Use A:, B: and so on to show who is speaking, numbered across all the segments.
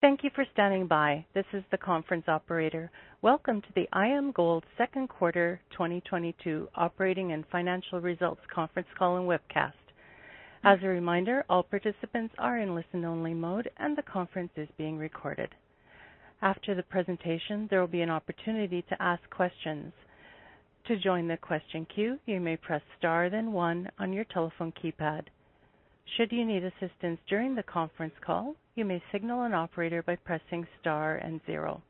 A: Thank you for standing by. This is the conference operator. Welcome to the IAMGOLD Second Quarter 2022 operating and financial results conference call and webcast. As a reminder, all participants are in listen-only mode, and the conference is being recorded. After the presentation, there will be an opportunity to ask questions. To join the question queue, you may press star then one on your telephone keypad. Should you need assistance during the conference call, you may signal an operator by pressing star and zero.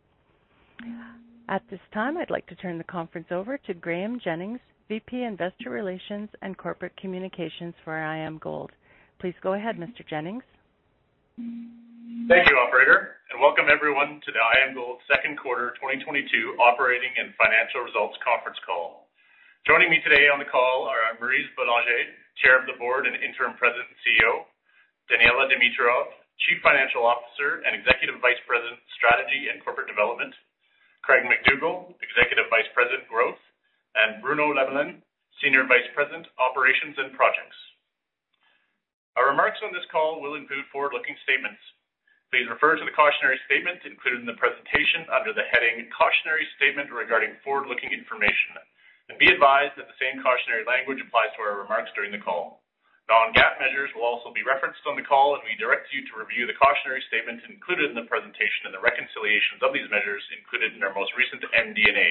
A: At this time, I'd like to turn the conference over to Graeme Jennings, VP, Investor Relations and Corporate Communications for IAMGOLD. Please go ahead, Mr. Jennings.
B: Thank you, operator, and welcome everyone to the IAMGOLD second quarter 2022 operating and financial results conference call. Joining me today on the call are Maryse Bélanger, Chair of the Board and Interim President and CEO, Daniella Dimitrov, Chief Financial Officer and Executive Vice President, Strategy and Corporate Development, Craig MacDougall, Executive Vice President, Growth, and Bruno Lemelin, Senior Vice President, Operations and Projects. Our remarks on this call will include forward-looking statements. Please refer to the cautionary statement included in the presentation under the heading Cautionary Statement Regarding Forward-Looking Information, and be advised that the same cautionary language applies to our remarks during the call. Non-GAAP measures will also be referenced on the call, and we direct you to review the cautionary statements included in the presentation and the reconciliations of these measures included in our most recent MD&A,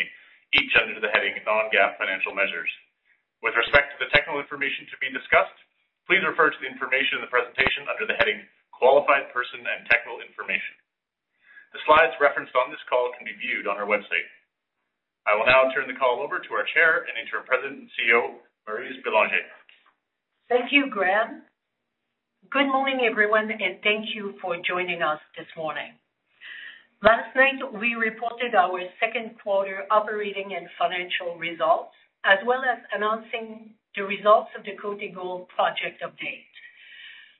B: each under the heading Non-GAAP Financial Measures. With respect to the technical information to be discussed, please refer to the information in the presentation under the heading Qualified Person and Technical Information. The slides referenced on this call can be viewed on our website. I will now turn the call over to our Chair and Interim President and CEO, Maryse Bélanger.
C: Thank you, Graeme. Good morning, everyone, and thank you for joining us this morning. Last night, we reported our second quarter operating and financial results, as well as announcing the results of the Côté Gold project update.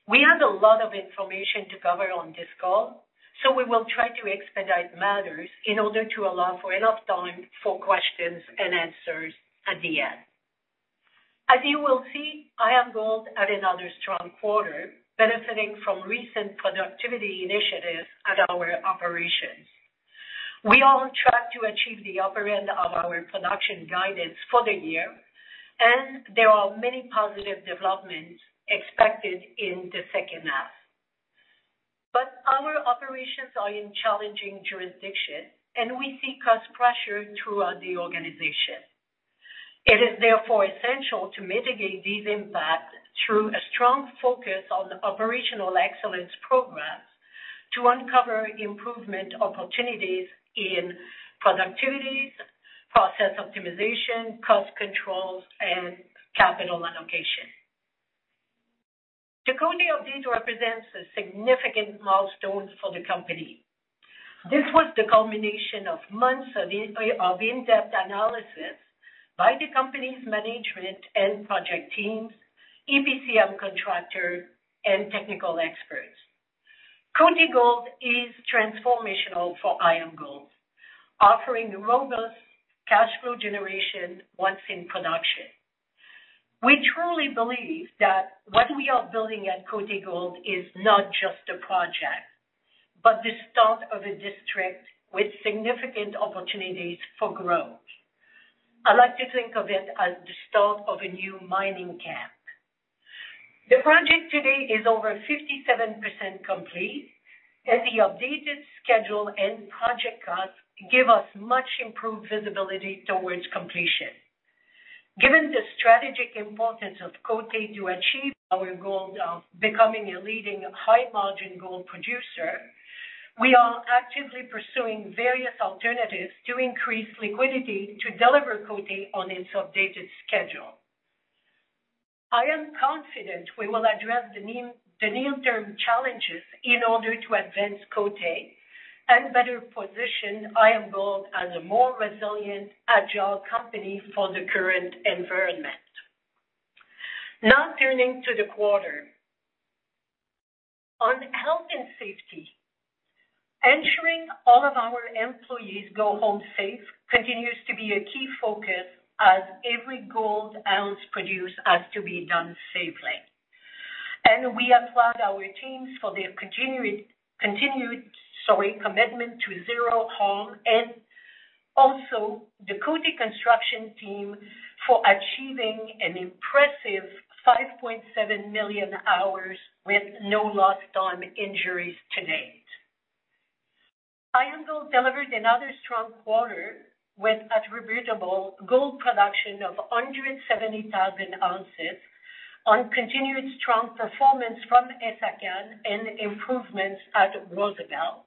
C: We have a lot of information to cover on this call, so we will try to expedite matters in order to allow for enough time for questions and answers at the end. As you will see, IAMGOLD had another strong quarter benefiting from recent productivity initiatives at our operations. We are on track to achieve the upper end of our production guidance for the year, and there are many positive developments expected in the second half. Our operations are in challenging jurisdictions, and we see cost pressure throughout the organization. It is therefore essential to mitigate these impacts through a strong focus on operational excellence programs to uncover improvement opportunities in productivities, process optimization, cost controls, and capital allocation. The Côté update represents a significant milestone for the company. This was the culmination of months of in-depth analysis by the company's management and project teams, EPCM contractor, and technical experts. Côté Gold is transformational for IAMGOLD, offering robust cash flow generation once in production. We truly believe that what we are building at Côté Gold is not just a project, but the start of a district with significant opportunities for growth. I like to think of it as the start of a new mining camp. The project today is over 57% complete, and the updated schedule and project costs give us much improved visibility towards completion. Given the strategic importance of Côté to achieve our goal of becoming a leading high-margin gold producer, we are actively pursuing various alternatives to increase liquidity to deliver Côté on its updated schedule. I am confident we will address the near-term challenges in order to advance Côté and better position IAMGOLD as a more resilient, agile company for the current environment. Now turning to the quarter. On health and safety, ensuring all of our employees go home safe continues to be a key focus as every gold ounce produced has to be done safely. We applaud our teams for their continued commitment to zero harm, and also the Côté construction team for achieving an impressive 5.7 million hours with no lost-time injuries to date. IAMGOLD delivered another strong quarter with attributable gold production of 170,000 ounces on continued strong performance from Essakane and improvements at Rosebel.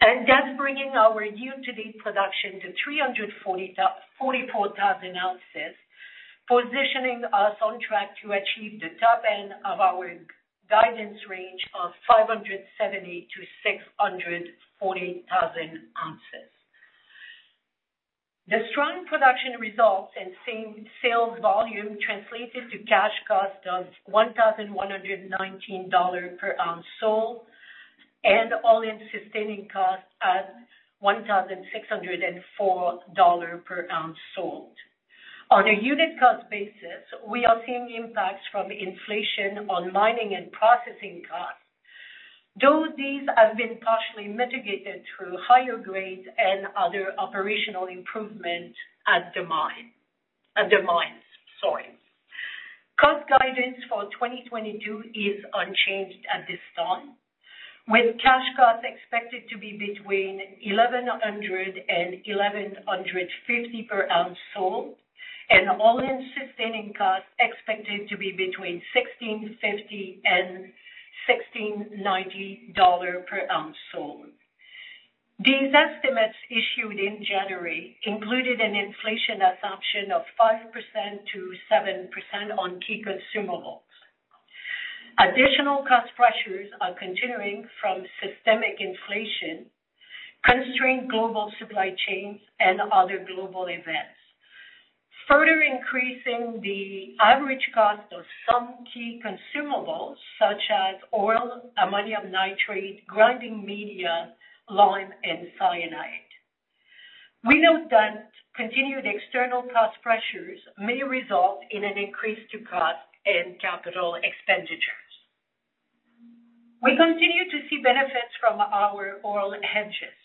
C: That's bringing our year-to-date production to 344,000 ounces, positioning us on track to achieve the top end of our guidance range of 570,000 to 640,000 ounces. The strong production results and same sales volume translated to cash cost of $1,119 per ounce sold and all-in sustaining cost at $1,604 per ounce sold. On a unit cost basis, we are seeing impacts from inflation on mining and processing costs, though these have been partially mitigated through higher grades and other operational improvements at the mines. Cost guidance for 2022 is unchanged at this time, with cash costs expected to be between $1,100 and $1,150 per ounce sold, and all-in sustaining costs expected to be between $1,650 and $1,690 per ounce sold. These estimates issued in January included an inflation assumption of 5% to 7% on key consumables. Additional cost pressures are continuing from systemic inflation, constrained global supply chains, and other global events, further increasing the average cost of some key consumables such as oil, ammonium nitrate, grinding media, lime, and cyanide. We note that continued external cost pressures may result in an increase to cost and capital expenditures. We continue to see benefits from our oil hedges.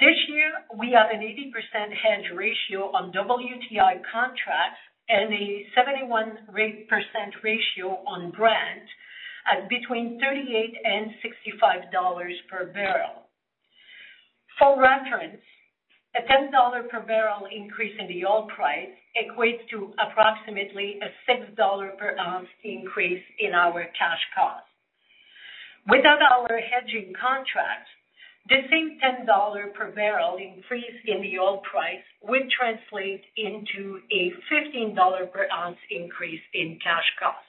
C: This year we have an 80% hedge ratio on WTI contracts and a 71% ratio on Brent at between $38 and $65 per barrel. For reference, a $10-per-barrel increase in the oil price equates to approximately a $6 per ounce increase in our cash cost. Without our hedging contracts, the same $10-per-barrel increase in the oil price would translate into a $15 per ounce increase in cash cost.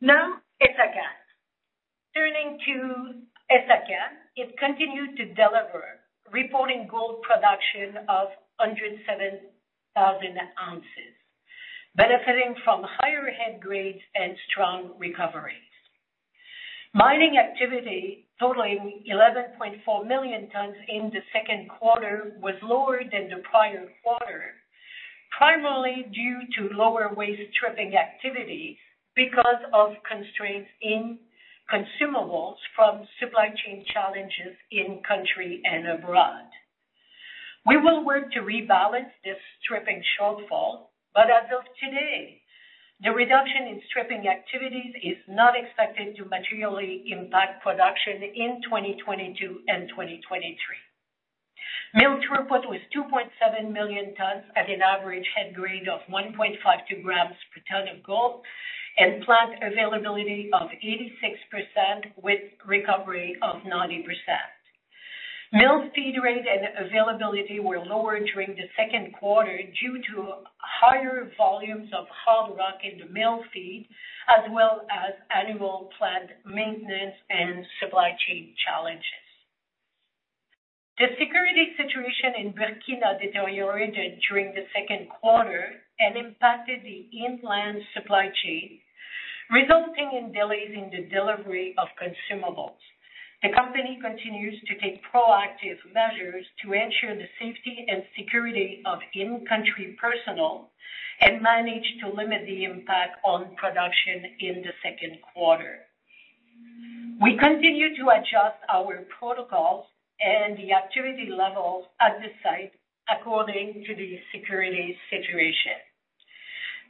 C: Now Essakane. Turning to Essakane, it continued to deliver reporting gold production of 107,000 ounces, benefiting from higher head grades and strong recoveries. Mining activity totaling 11.4 million tonnes in the second quarter was lower than the prior quarter, primarily due to lower waste stripping activity because of constraints in consumables from supply chain challenges in country and abroad. We will work to rebalance this stripping shortfall, but as of today, the reduction in stripping activities is not expected to materially impact production in 2022 and 2023. Mill throughput was 2.7 million tonnes at an average head grade of 1.52 grams per tonne of gold and plant availability of 86% with recovery of 90%. Mill feed rate and availability were lower during the second quarter due to higher volumes of hard rock in the mill feed, as well as annual plant maintenance and supply chain challenges. The security situation in Burkina deteriorated during the second quarter and impacted the in-plant supply chain, resulting in delays in the delivery of consumables. The company continues to take proactive measures to ensure the safety and security of in-country personnel and manage to limit the impact on production in the second quarter. We continue to adjust our protocols and the activity levels at the site according to the security situation.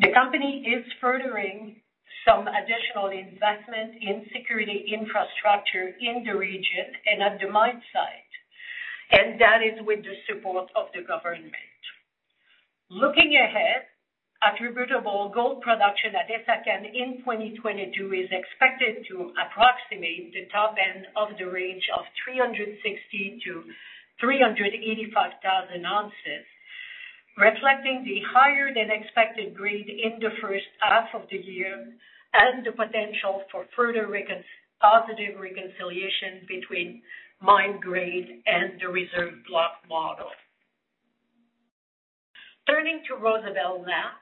C: The company is furthering some additional investment in security infrastructure in the region and at the mine site, and that is with the support of the government. Looking ahead, attributable gold production at Essakane in 2022 is expected to approximate the top end of the range of 360-385 thousand ounces, reflecting the higher-than-expected grade in the first half of the year and the potential for further positive reconciliation between mine grade and the reserve block model. Turning to Rosebel now.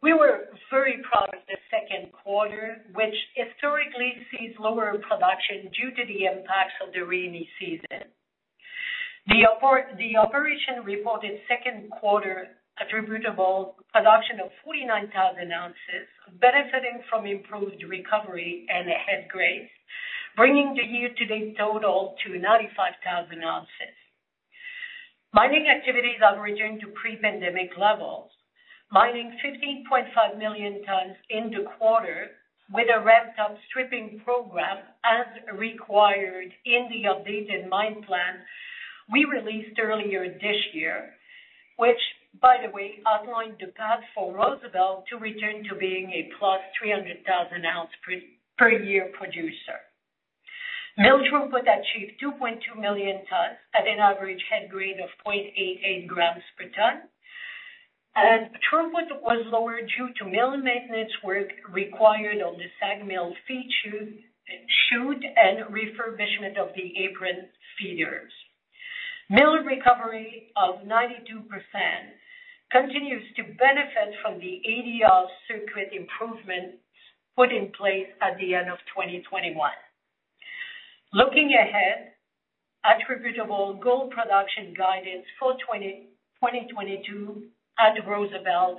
C: We were very proud of the second quarter, which historically sees lower production due to the impacts of the rainy season. The operation reported second quarter attributable production of 49,000 ounces, benefiting from improved recovery and head grades, bringing the year-to-date total to 95,000 ounces. Mining activities are returning to pre-pandemic levels, mining 15.5 million tonnes in the quarter with a ramped-up stripping program as required in the updated mine plan we released earlier this year, which by the way outlined the path for Rosebel to return to being a +300,000 ounce per year producer. Mill throughput achieved 2.2 million tonnes at an average head grade of 0.88 grams per tonne. Throughput was lower due to mill maintenance work required on the SAG mill feed chute and refurbishment of the apron feeders. Mill recovery of 92% continues to benefit from the ADR circuit improvement put in place at the end of 2021. Looking ahead, attributable gold production guidance for 2022 at Rosebel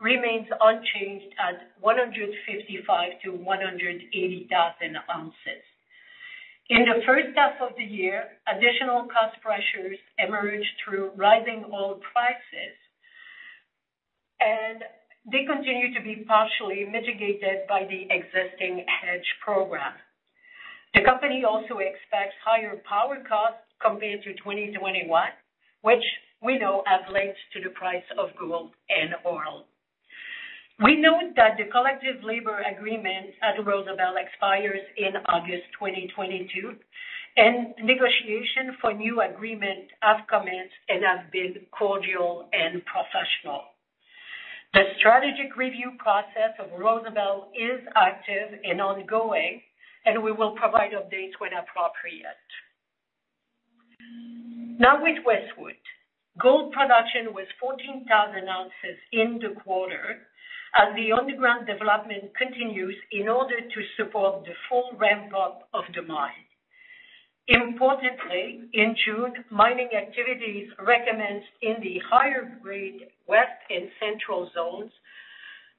C: remains unchanged at 155,000-180,000 ounces. In the first half of the year, additional cost pressures emerged through rising oil prices, and they continue to be partially mitigated by the existing hedge program. The company also expects higher power costs compared to 2021, which we know are linked to the price of gold and oil. We note that the collective labor agreement at Rosebel expires in August 2022, and negotiation for new agreement have commenced and have been cordial and professional. The strategic review process of Rosebel is active and ongoing, and we will provide updates when appropriate. Now with Westwood. Gold production was 14,000 ounces in the quarter as the underground development continues in order to support the full ramp-up of the mine. Importantly, in June, mining activities recommenced in the higher grade west and central zones,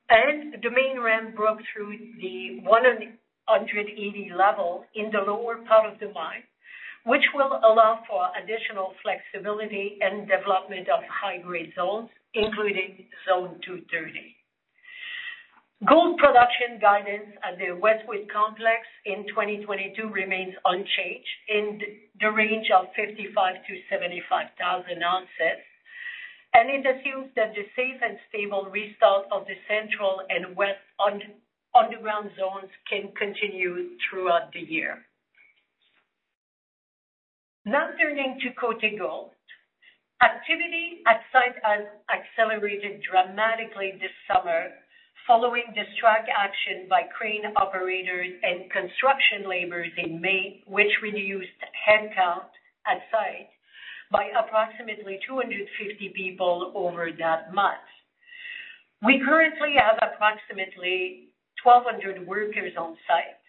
C: and the main ramp broke through the 180 level in the lower part of the mine, which will allow for additional flexibility and development of high-grade zones, including zone 230. Gold production guidance at the Westwood complex in 2022 remains unchanged in the range of 55,000 to 75,000 ounces, and it assumes that the safe and stable restart of the central and west underground zones can continue throughout the year. Now turning to Côté Gold. Activity at site has accelerated dramatically this summer following the strike action by crane operators and construction laborers in May, which reduced headcount at site by approximately 250 people over that month. We currently have approximately 1,200 workers on site.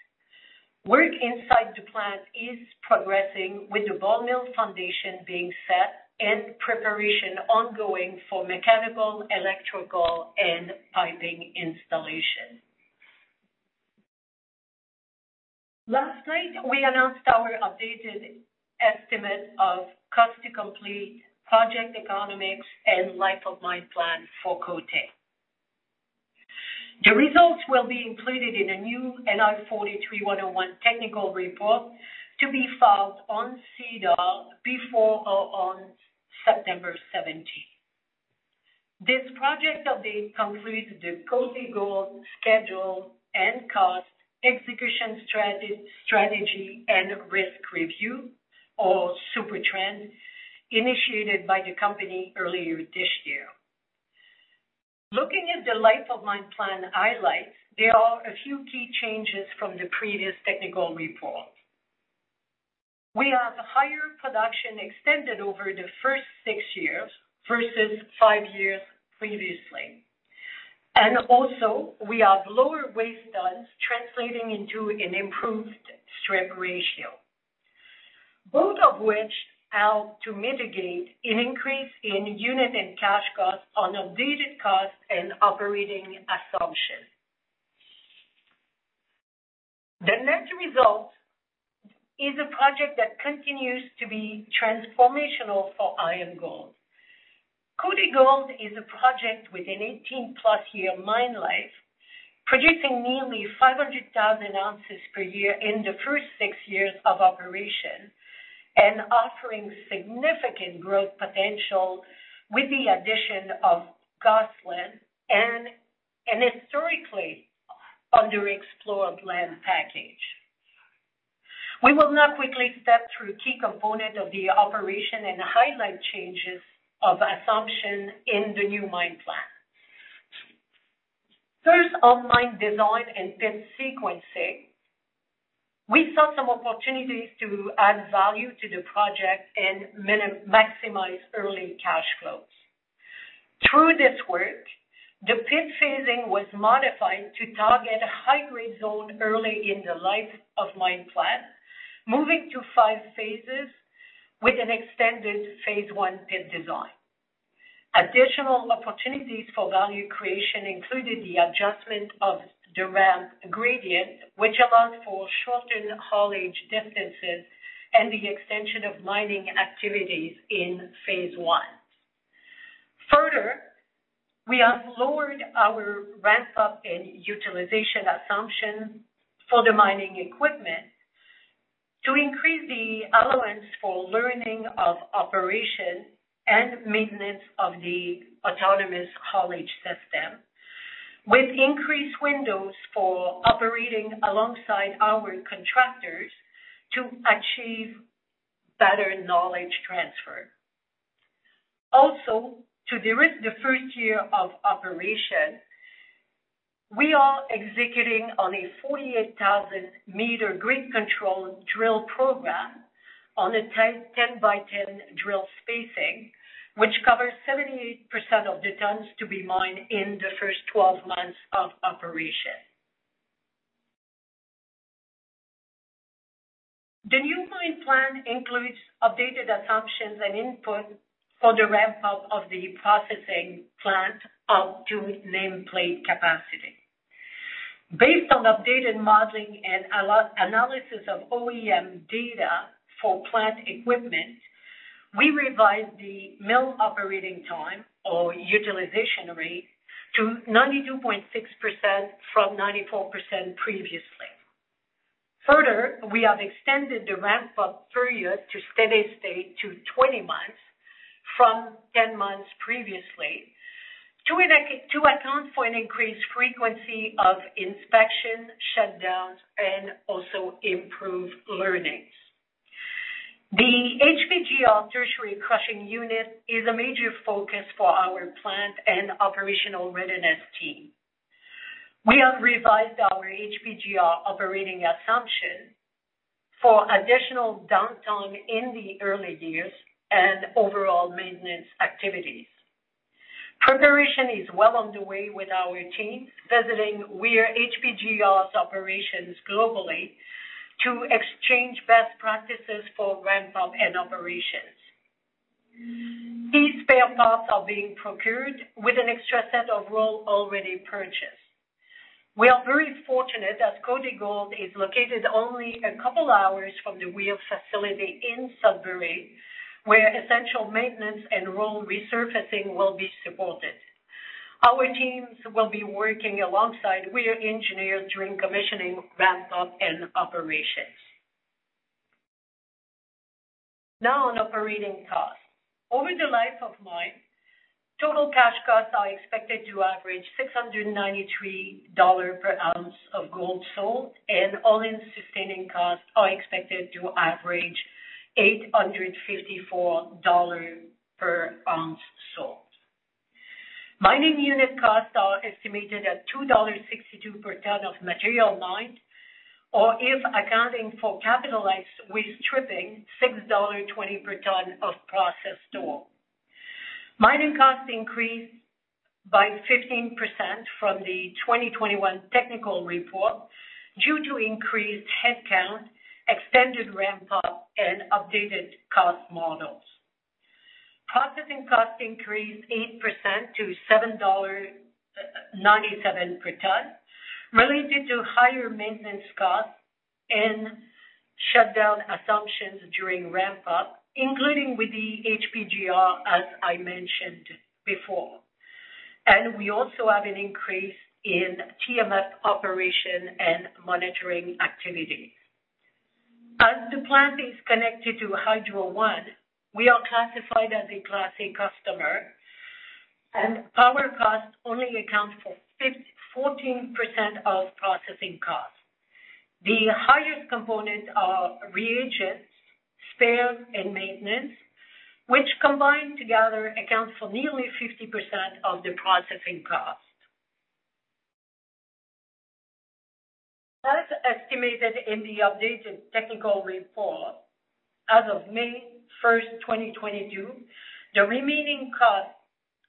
C: Work inside the plant is progressing with the ball mill foundation being set and preparation ongoing for mechanical, electrical, and piping installation. Last night, we announced our updated estimate of cost to complete project economics and life of mine plan for Côté. The results will be included in a new NI 43-101 technical report to be filed on SEDAR before or on September 17th. This project update completes the Côté Gold schedule and cost, execution strategy and risk review, or supertrend, initiated by the company earlier this year. Looking at the life of mine plan highlights, there are a few key changes from the previous technical report. We have higher production extended over the first 6 years versus 5 years previously, and also we have lower waste tons translating into an improved strip ratio. Both of which help to mitigate an increase in unit and cash costs on updated costs and operating assumptions. The net result is a project that continues to be transformational for IAMGOLD. Côté Gold is a project with an 18+ year mine life, producing nearly 500,000 ounces per year in the first 6 years of operation and offering significant growth potential with the addition of Gosselin and an historically underexplored land package. We will now quickly step through key component of the operation and highlight changes of assumption in the new mine plan. First, on mine design and pit sequencing, we saw some opportunities to add value to the project and maximize early cash flows. Through this work, the pit phasing was modified to target high-grade zone early in the life of mine plan, moving to five phases with an extended phase one pit design. Additional opportunities for value creation included the adjustment of the ramp gradient, which allowed for shortened haulage distances and the extension of mining activities in phase one. Further, we have lowered our ramp-up and utilization assumptions for the mining equipment to increase the allowance for learning of operation and maintenance of the autonomous haulage system with increased windows for operating alongside our contractors to achieve better knowledge transfer. Also, to de-risk the first year of operation, we are executing on a 48,000-meter grade control drill program on a tight 10 by 10 drill spacing, which covers 78% of the tons to be mined in the first 12 months of operation. The new mine plan includes updated assumptions and input for the ramp up of the processing plant up to nameplate capacity. Based on updated modeling and a la analysis of OEM data for plant equipment, we revised the mill operating time or utilization rate to 92.6% from 94% previously. Further, we have extended the ramp-up period to steady state to 20 months from 10 months previously to account for an increased frequency of inspection shutdowns and also improve learnings. The HPGR tertiary crushing unit is a major focus for our plant and operational readiness team. We have revised our HPGR operating assumption for additional downtime in the early years and overall maintenance activities. Preparation is well underway with our team visiting Weir HPGRs operations globally to exchange best practices for ramp up and operations. Key spare parts are being procured with an extra set of rolls already purchased. We are very fortunate as Côté Gold is located only a couple hours from the Weir facility in Sudbury, where essential maintenance and roll resurfacing will be supported. Our teams will be working alongside Weir engineers during commissioning ramp up and operations. Now on operating costs. Over the life of mine, total cash costs are expected to average $693 per ounce of gold sold, and all-in sustaining costs are expected to average $854 per ounce sold. Mining unit costs are estimated at $2.62 per tonne of material mined, or if accounting for capitalized with stripping, $6.20 per tonne of processed ore. Mining costs increased by 15% from the 2021 technical report due to increased headcount, extended ramp up and updated cost models. Processing costs increased 8% to $7.97 per tonne, related to higher maintenance costs and shutdown assumptions during ramp up, including with the HPGR, as I mentioned before. We also have an increase in TMF operation and monitoring activities. As the plant is connected to Hydro One, we are classified as a Class A customer and power costs only account for 14% of processing costs. The highest components are reagents, spares and maintenance, which combined together accounts for nearly 50% of the processing cost. As estimated in the updated technical report, as of May 1, 2022, the remaining costs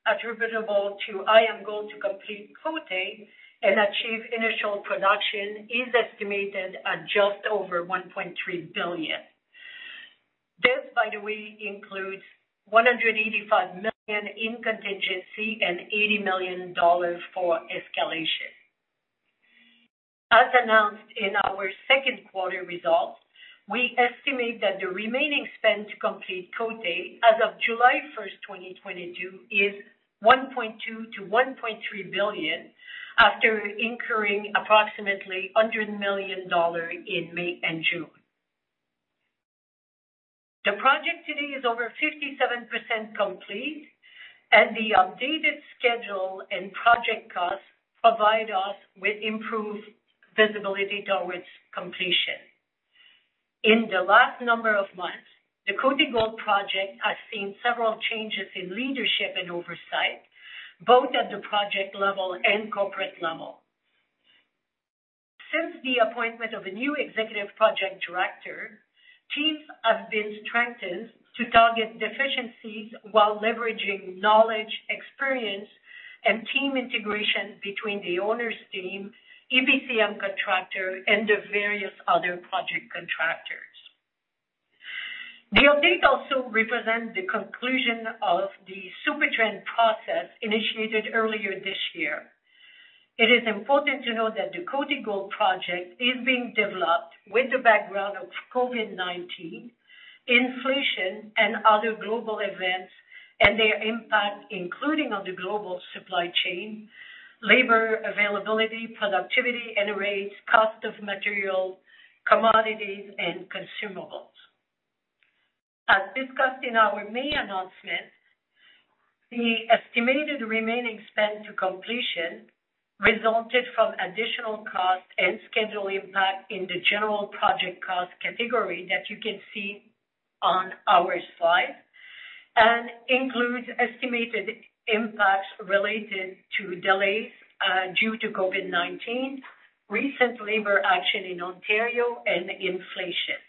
C: attributable to IAMGOLD to complete Côté and achieve initial production is estimated at just over $1.3 billion. This, by the way, includes $185 million in contingency and $80 million for escalation. As announced in our second quarter results, we estimate that the remaining spend to complete Côté as of July 1, 2022 is $1.2-$1.3 billion after incurring approximately $100 million in May and June. The project today is over 57% complete and the updated schedule and project costs provide us with improved visibility towards completion. In the last number of months, the Côté Gold project has seen several changes in leadership and oversight, both at the project level and corporate level. Since the appointment of a new executive project director, teams have been strengthened to target deficiencies while leveraging knowledge, experience and team integration between the owner's team, EPCM contractor and the various other project contractors. The update also represents the conclusion of the supertrend process initiated earlier this year. It is important to note that the Côté Gold project is being developed with the background of COVID-19, inflation and other global events and their impact, including on the global supply chain, labor availability, productivity and rates, cost of materials, commodities and consumables. As discussed in our May announcement, the estimated remaining spend to completion resulted from additional costs and schedule impact in the general project cost category that you can see on our slide and includes estimated impacts related to delays due to COVID-19, recent labor action in Ontario and inflation.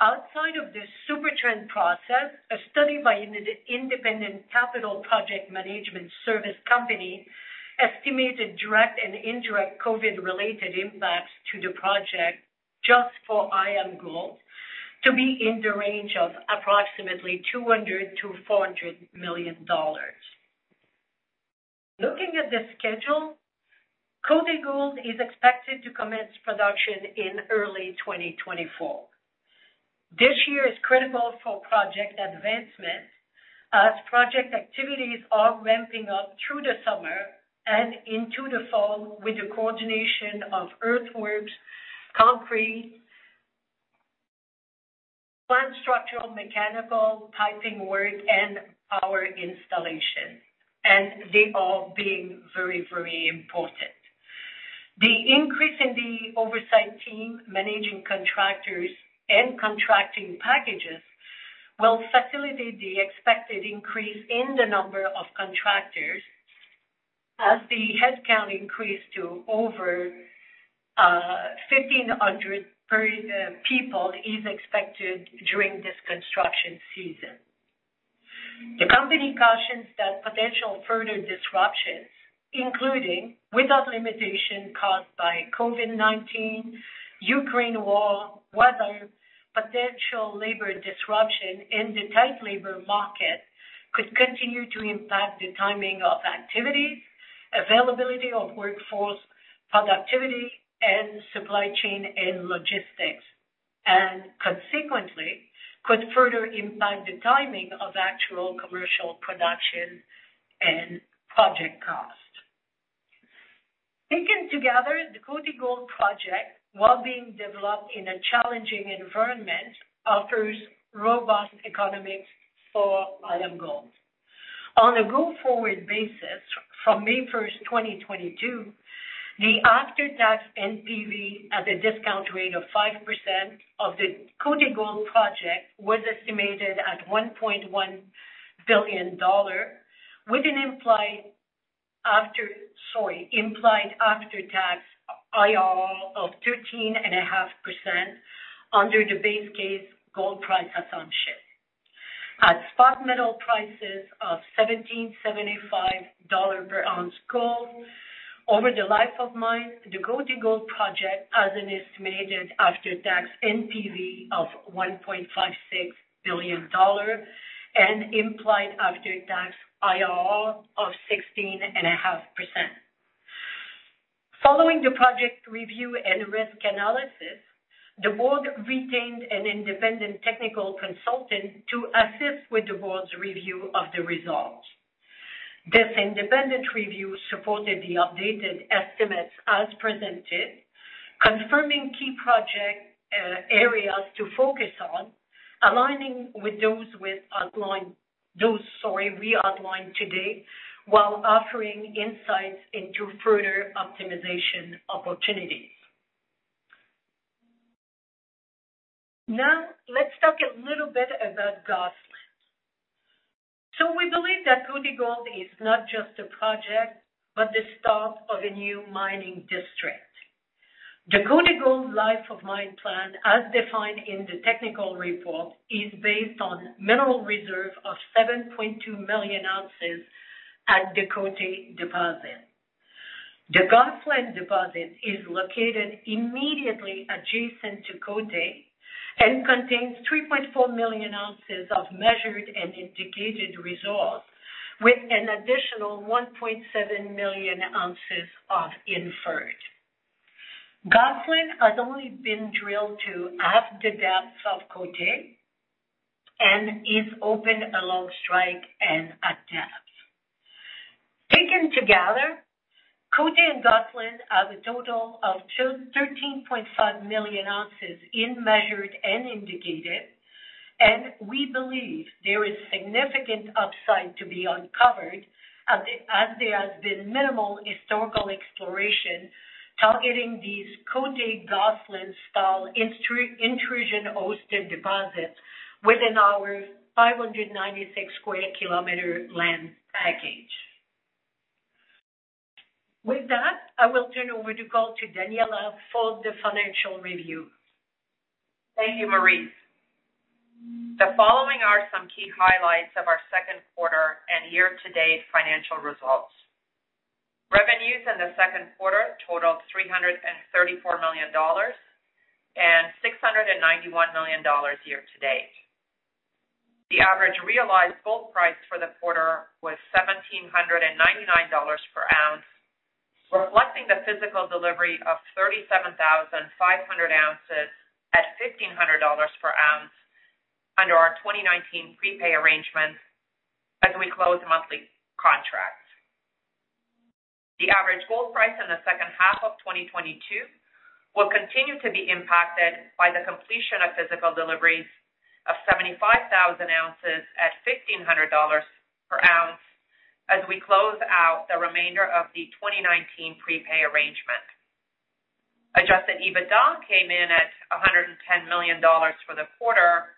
C: Outside of this Supertrend process, a study by an independent capital project management service company estimated direct and indirect COVID-related impacts to the project just for IAMGOLD to be in the range of approximately $200-$400 million. Looking at the schedule, Côté Gold is expected to commence production in early 2024. This year is critical for project advancement as project activities are ramping up through the summer and into the fall with the coordination of earthworks, concrete, plant structural, mechanical, piping work, and power installation, and they all being very, very important. The increase in the oversight team, managing contractors and contracting packages will facilitate the expected increase in the number of contractors as the headcount increase to over 1,500 people is expected during this construction season. The company cautions that potential further disruptions, including without limitation caused by COVID-19, Ukraine war, weather, potential labor disruption in the tight labor market, could continue to impact the timing of activities, availability of workforce productivity and supply chain and logistics, and consequently could further impact the timing of actual commercial production and project cost. Taken together, the Côté Gold Project, while being developed in a challenging environment, offers robust economics for IAMGOLD. On a go-forward basis, from May 1, 2022, the after-tax NPV at a discount rate of 5% of the Côté Gold Project was estimated at $1.1 billion with an implied after-tax IRR of 13.5% under the base case gold price assumption. At spot metal prices of $1,775 per ounce gold over the life of mine, the Côté Gold project has an estimated after-tax NPV of $1.56 billion and implied after-tax IRR of 16.5%. Following the project review and risk analysis, the board retained an independent technical consultant to assist with the board's review of the results. This independent review supported the updated estimates as presented, confirming key project areas to focus on, aligning with those we outlined today while offering insights into further optimization opportunities. Now, let's talk a little bit about Gosselin. We believe that Côté Gold is not just a project, but the start of a new mining district. The Côté Gold life of mine plan, as defined in the technical report, is based on mineral reserve of 7.2 million ounces at the Côté deposit. The Gosselin deposit is located immediately adjacent to Côté and contains 3.4 million ounces of measured and indicated resource, with an additional 1.7 million ounces of inferred. Gosselin has only been drilled to half the depths of Côté and is open along strike and at depth. Taken together, Côté and Gosselin have a total of 13.5 million ounces in measured and indicated, and we believe there is significant upside to be uncovered as there has been minimal historical exploration targeting these Côté-Gosselin style intrusion-hosted deposits within our 596 sq km land package. With that, I will turn over the call to Daniella for the financial review.
D: Thank you, Maryse. The following are some key highlights of our second quarter and year-to-date financial results. Revenues in the second quarter totaled $334 million and $691 million year to date. The average realized gold price for the quarter was $1,799 per ounce, reflecting the physical delivery of 37,500 ounces at $1,500 per ounce under our 2019 prepay arrangement as we close monthly contracts. The average gold price in the second half of 2022 will continue to be impacted by the completion of physical deliveries of 75,000 ounces at $1,500 per ounce as we close out the remainder of the 2019 prepay arrangement. Adjusted EBITDA came in at $110 million for the quarter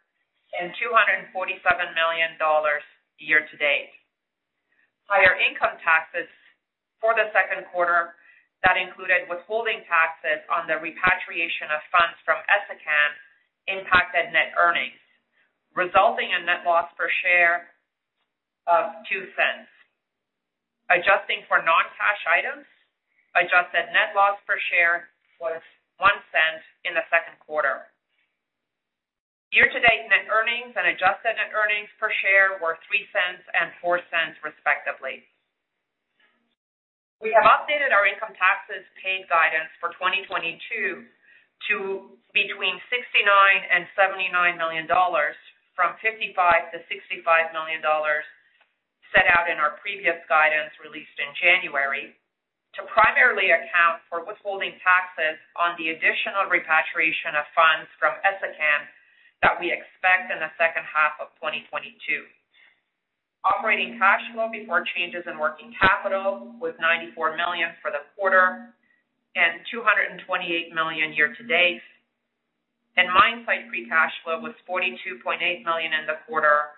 D: and $247 million year to date. Higher income taxes for the second quarter that included withholding taxes on the repatriation of funds from Essakane impacted net earnings, resulting in net loss per share of $0.02. Adjusting for non-cash items, adjusted net loss per share was $0.01 in the second quarter. Year-to-date net earnings and adjusted net earnings per share were $0.03 and $0.04, respectively. We have updated our income taxes paid guidance for 2022 to between $69 million and $79 million from $55 million to $65 million set out in our previous guidance released in January to primarily account for withholding taxes on the additional repatriation of funds from Essakane that we expect in the second half of 2022. Operating cash flow before changes in working capital was $94 million for the quarter and $228 million year-to-date. Mine site free cash flow was $42.8 million in the quarter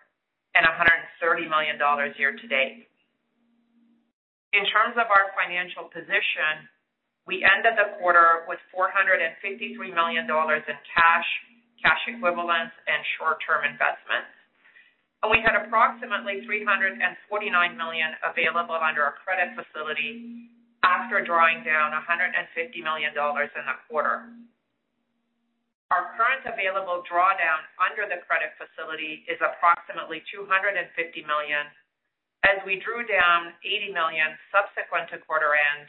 D: and $130 million year to date. In terms of our financial position, we ended the quarter with $453 million in cash equivalents, and short-term investments. We had approximately $349 million available under our credit facility after drawing down $150 million in the quarter. Our current available drawdown under the credit facility is approximately $250 million, as we drew down $80 million subsequent to quarter end,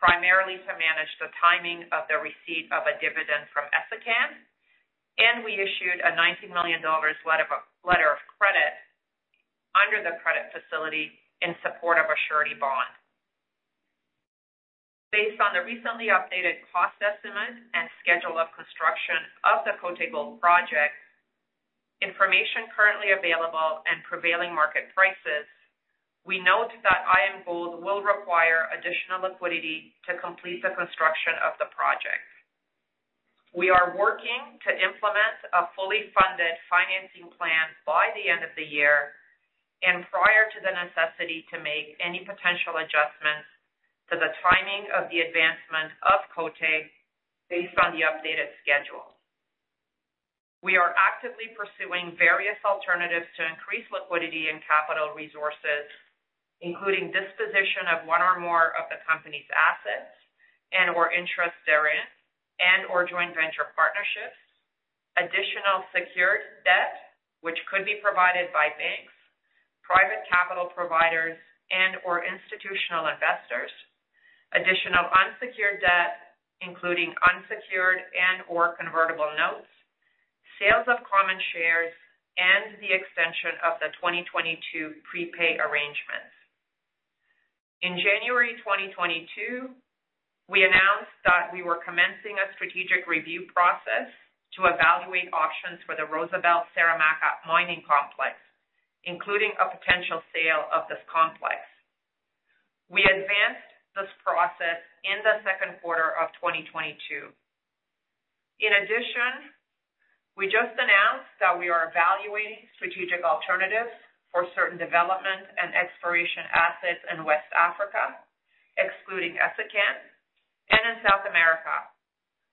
D: primarily to manage the timing of the receipt of a dividend from Essakane. We issued a $90 million letter of credit under the credit facility in support of a surety bond. Based on the recently updated cost estimate and schedule of construction of the Côté Gold Project, information currently available, and prevailing market prices, we note that IAMGOLD will require additional liquidity to complete the construction of the project. We are working to implement a fully funded financing plan by the end of the year and prior to the necessity to make any potential adjustments to the timing of the advancement of Côté based on the updated schedule. We are actively pursuing various alternatives to increase liquidity and capital resources, including disposition of one or more of the company's assets and/or interest therein and/or joint venture partnerships, additional secured debt which could be provided by banks, private capital providers, and/or institutional investors. Additional unsecured debt, including unsecured and/or convertible notes, sales of common shares, and the extension of the 2022 prepaid arrangements. In January 2022, we announced that we were commencing a strategic review process to evaluate options for the Rosebel-Saramacca mining complex, including a potential sale of this complex. We advanced this process in the second quarter of 2022. In addition, we just announced that we are evaluating strategic alternatives for certain development and exploration assets in West Africa, excluding Essakane, and in South America,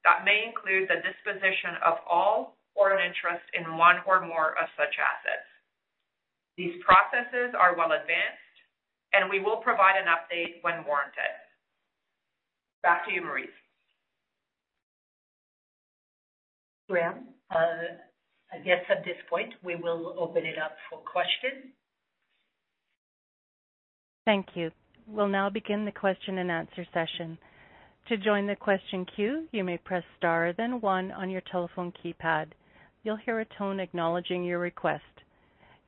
D: that may include the disposition of all or an interest in one or more of such assets. These processes are well advanced, and we will provide an update when warranted. Back to you, Maryse.
C: Graeme, I guess at this point, we will open it up for questions.
A: Thank you. We'll now begin the question-and-answer session. To join the question queue, you may press star then one on your telephone keypad. You'll hear a tone acknowledging your request.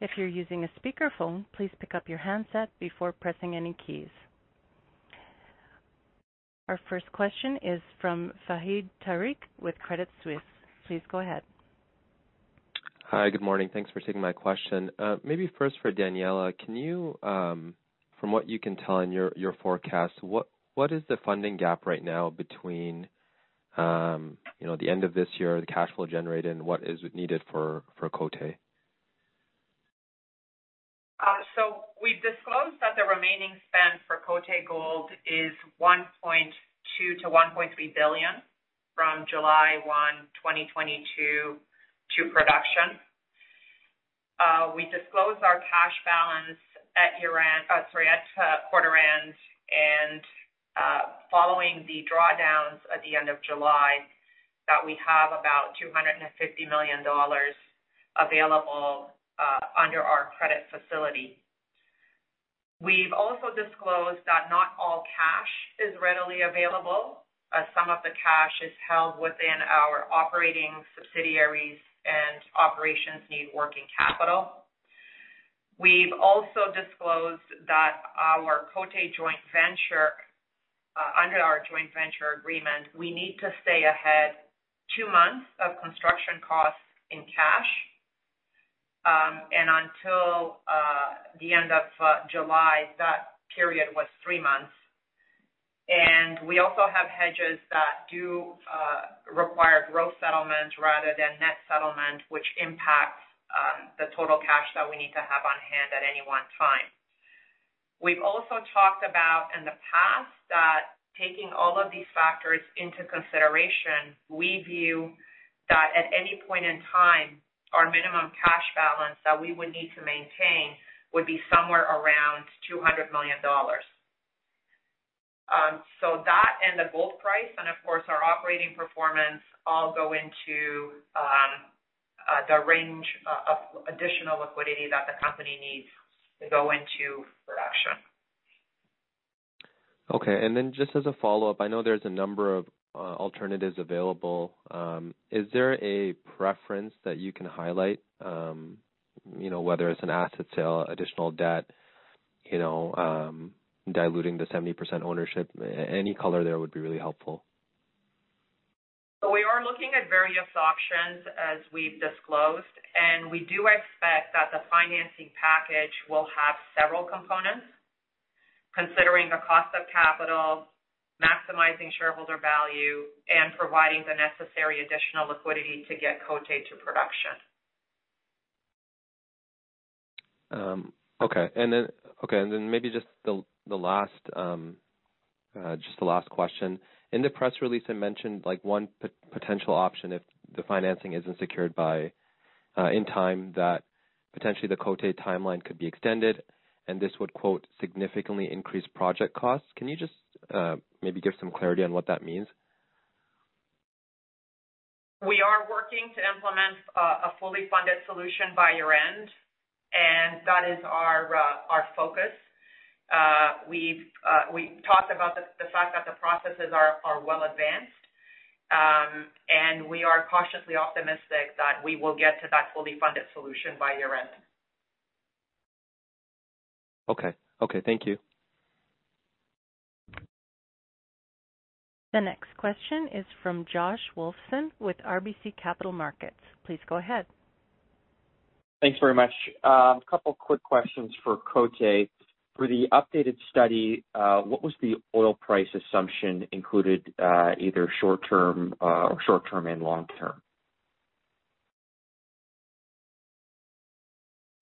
A: If you're using a speakerphone, please pick up your handset before pressing any keys. Our first question is from Fahad Tariq with Credit Suisse. Please go ahead.
E: Hi. Good morning. Thanks for taking my question. Maybe first for Daniella, can you, from what you can tell in your forecast, what is the funding gap right now between, the end of this year, the cash flow generated and what is needed for Côté?
D: We've disclosed that the remaining spend for Côté Gold is $1.2 billion-$1.3 billion from July 1, 2022 to production. We disclosed our cash balance at year-end, sorry, at quarter end and, following the drawdowns at the end of July, that we have about $250 million available under our credit facility. We've also disclosed that not all cash is readily available, as some of the cash is held within our operating subsidiaries and operations need working capital. We've also disclosed that our Côté joint venture, under our joint venture agreement, we need to stay ahead two months of construction costs in cash, and until the end of July, that period was three months. We also have hedges that do require gross settlement rather than net settlement, which impacts the total cash that we need to have on hand at any one time. We've also talked about in the past that taking all of these factors into consideration, we view that at any point in time, our minimum cash balance that we would need to maintain would be somewhere around $200 million. That and the gold price and of course our operating performance all go into the range of additional liquidity that the company needs to go into production.
E: Okay. Just as a follow-up, I know there's a number of alternatives available. Is there a preference that you can highlight, you know, whether it's an asset sale, additional debt, you know, diluting the 70% ownership? Any color there would be really helpful.
D: We are looking at various options as we've disclosed, and we do expect that the financing package will have several components considering the cost of capital, maximizing shareholder value, and providing the necessary additional liquidity to get Côté to production.
E: Okay. Then maybe just the last question. In the press release, I mentioned like one potential option if the financing isn't secured by in time that potentially the Côté timeline could be extended and this would "significantly increase project costs." Can you just maybe give some clarity on what that means?
D: We are working to implement a fully funded solution by year-end, and that is our focus. We've talked about the fact that the processes are well advanced. We are cautiously optimistic that we will get to that fully funded solution by year-end.
E: Okay. Okay, thank you.
A: The next question is from Josh Wolfson with RBC Capital Markets. Please go ahead.
F: Thanks very much. A couple of quick questions for Côté. For the updated study, what was the oil price assumption included, either short term, or short term and long term?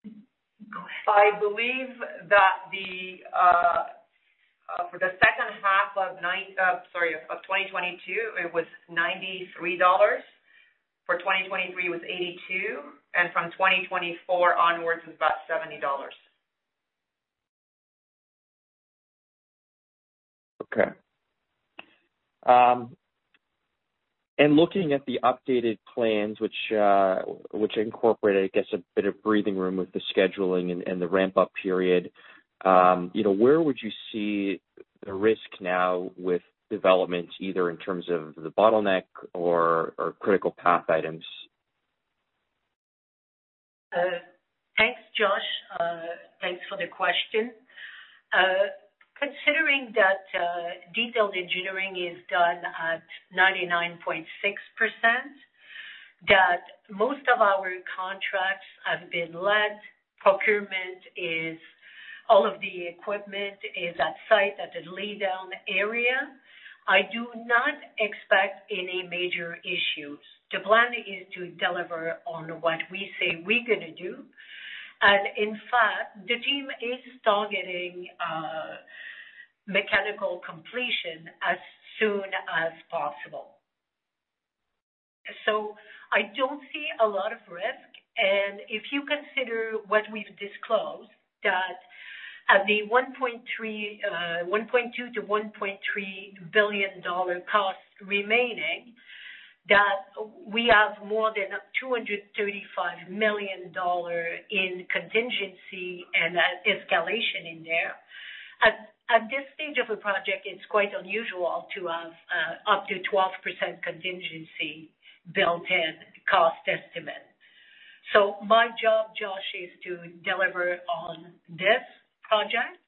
D: Go ahead.
C: I believe that for the second half of 2022, it was $93. For 2023, it was $82, and from 2024 onwards, it's about $70.
F: Okay. Looking at the updated plans which incorporated, I guess, a bit of breathing room with the scheduling and the ramp-up period, you know, where would you see the risk now with developments, either in terms of the bottleneck or critical path items?
C: Thanks, Josh. Thanks for the question. Considering that detailed engineering is done at 99.6%, that most of our contracts have been let, procurement is all of the equipment is at site at the laydown area, I do not expect any major issues. The plan is to deliver on what we say we're gonna do. In fact, the team is targeting mechanical completion as soon as possible. I don't see a lot of risk. If you consider what we've disclosed, that the $1.3, $1.2-$1.3 billion cost remaining, that we have more than $235 million in contingency and an escalation in there. At this stage of a project, it's quite unusual to have up to 12% contingency built in cost estimate. My job, Josh, is to deliver on this project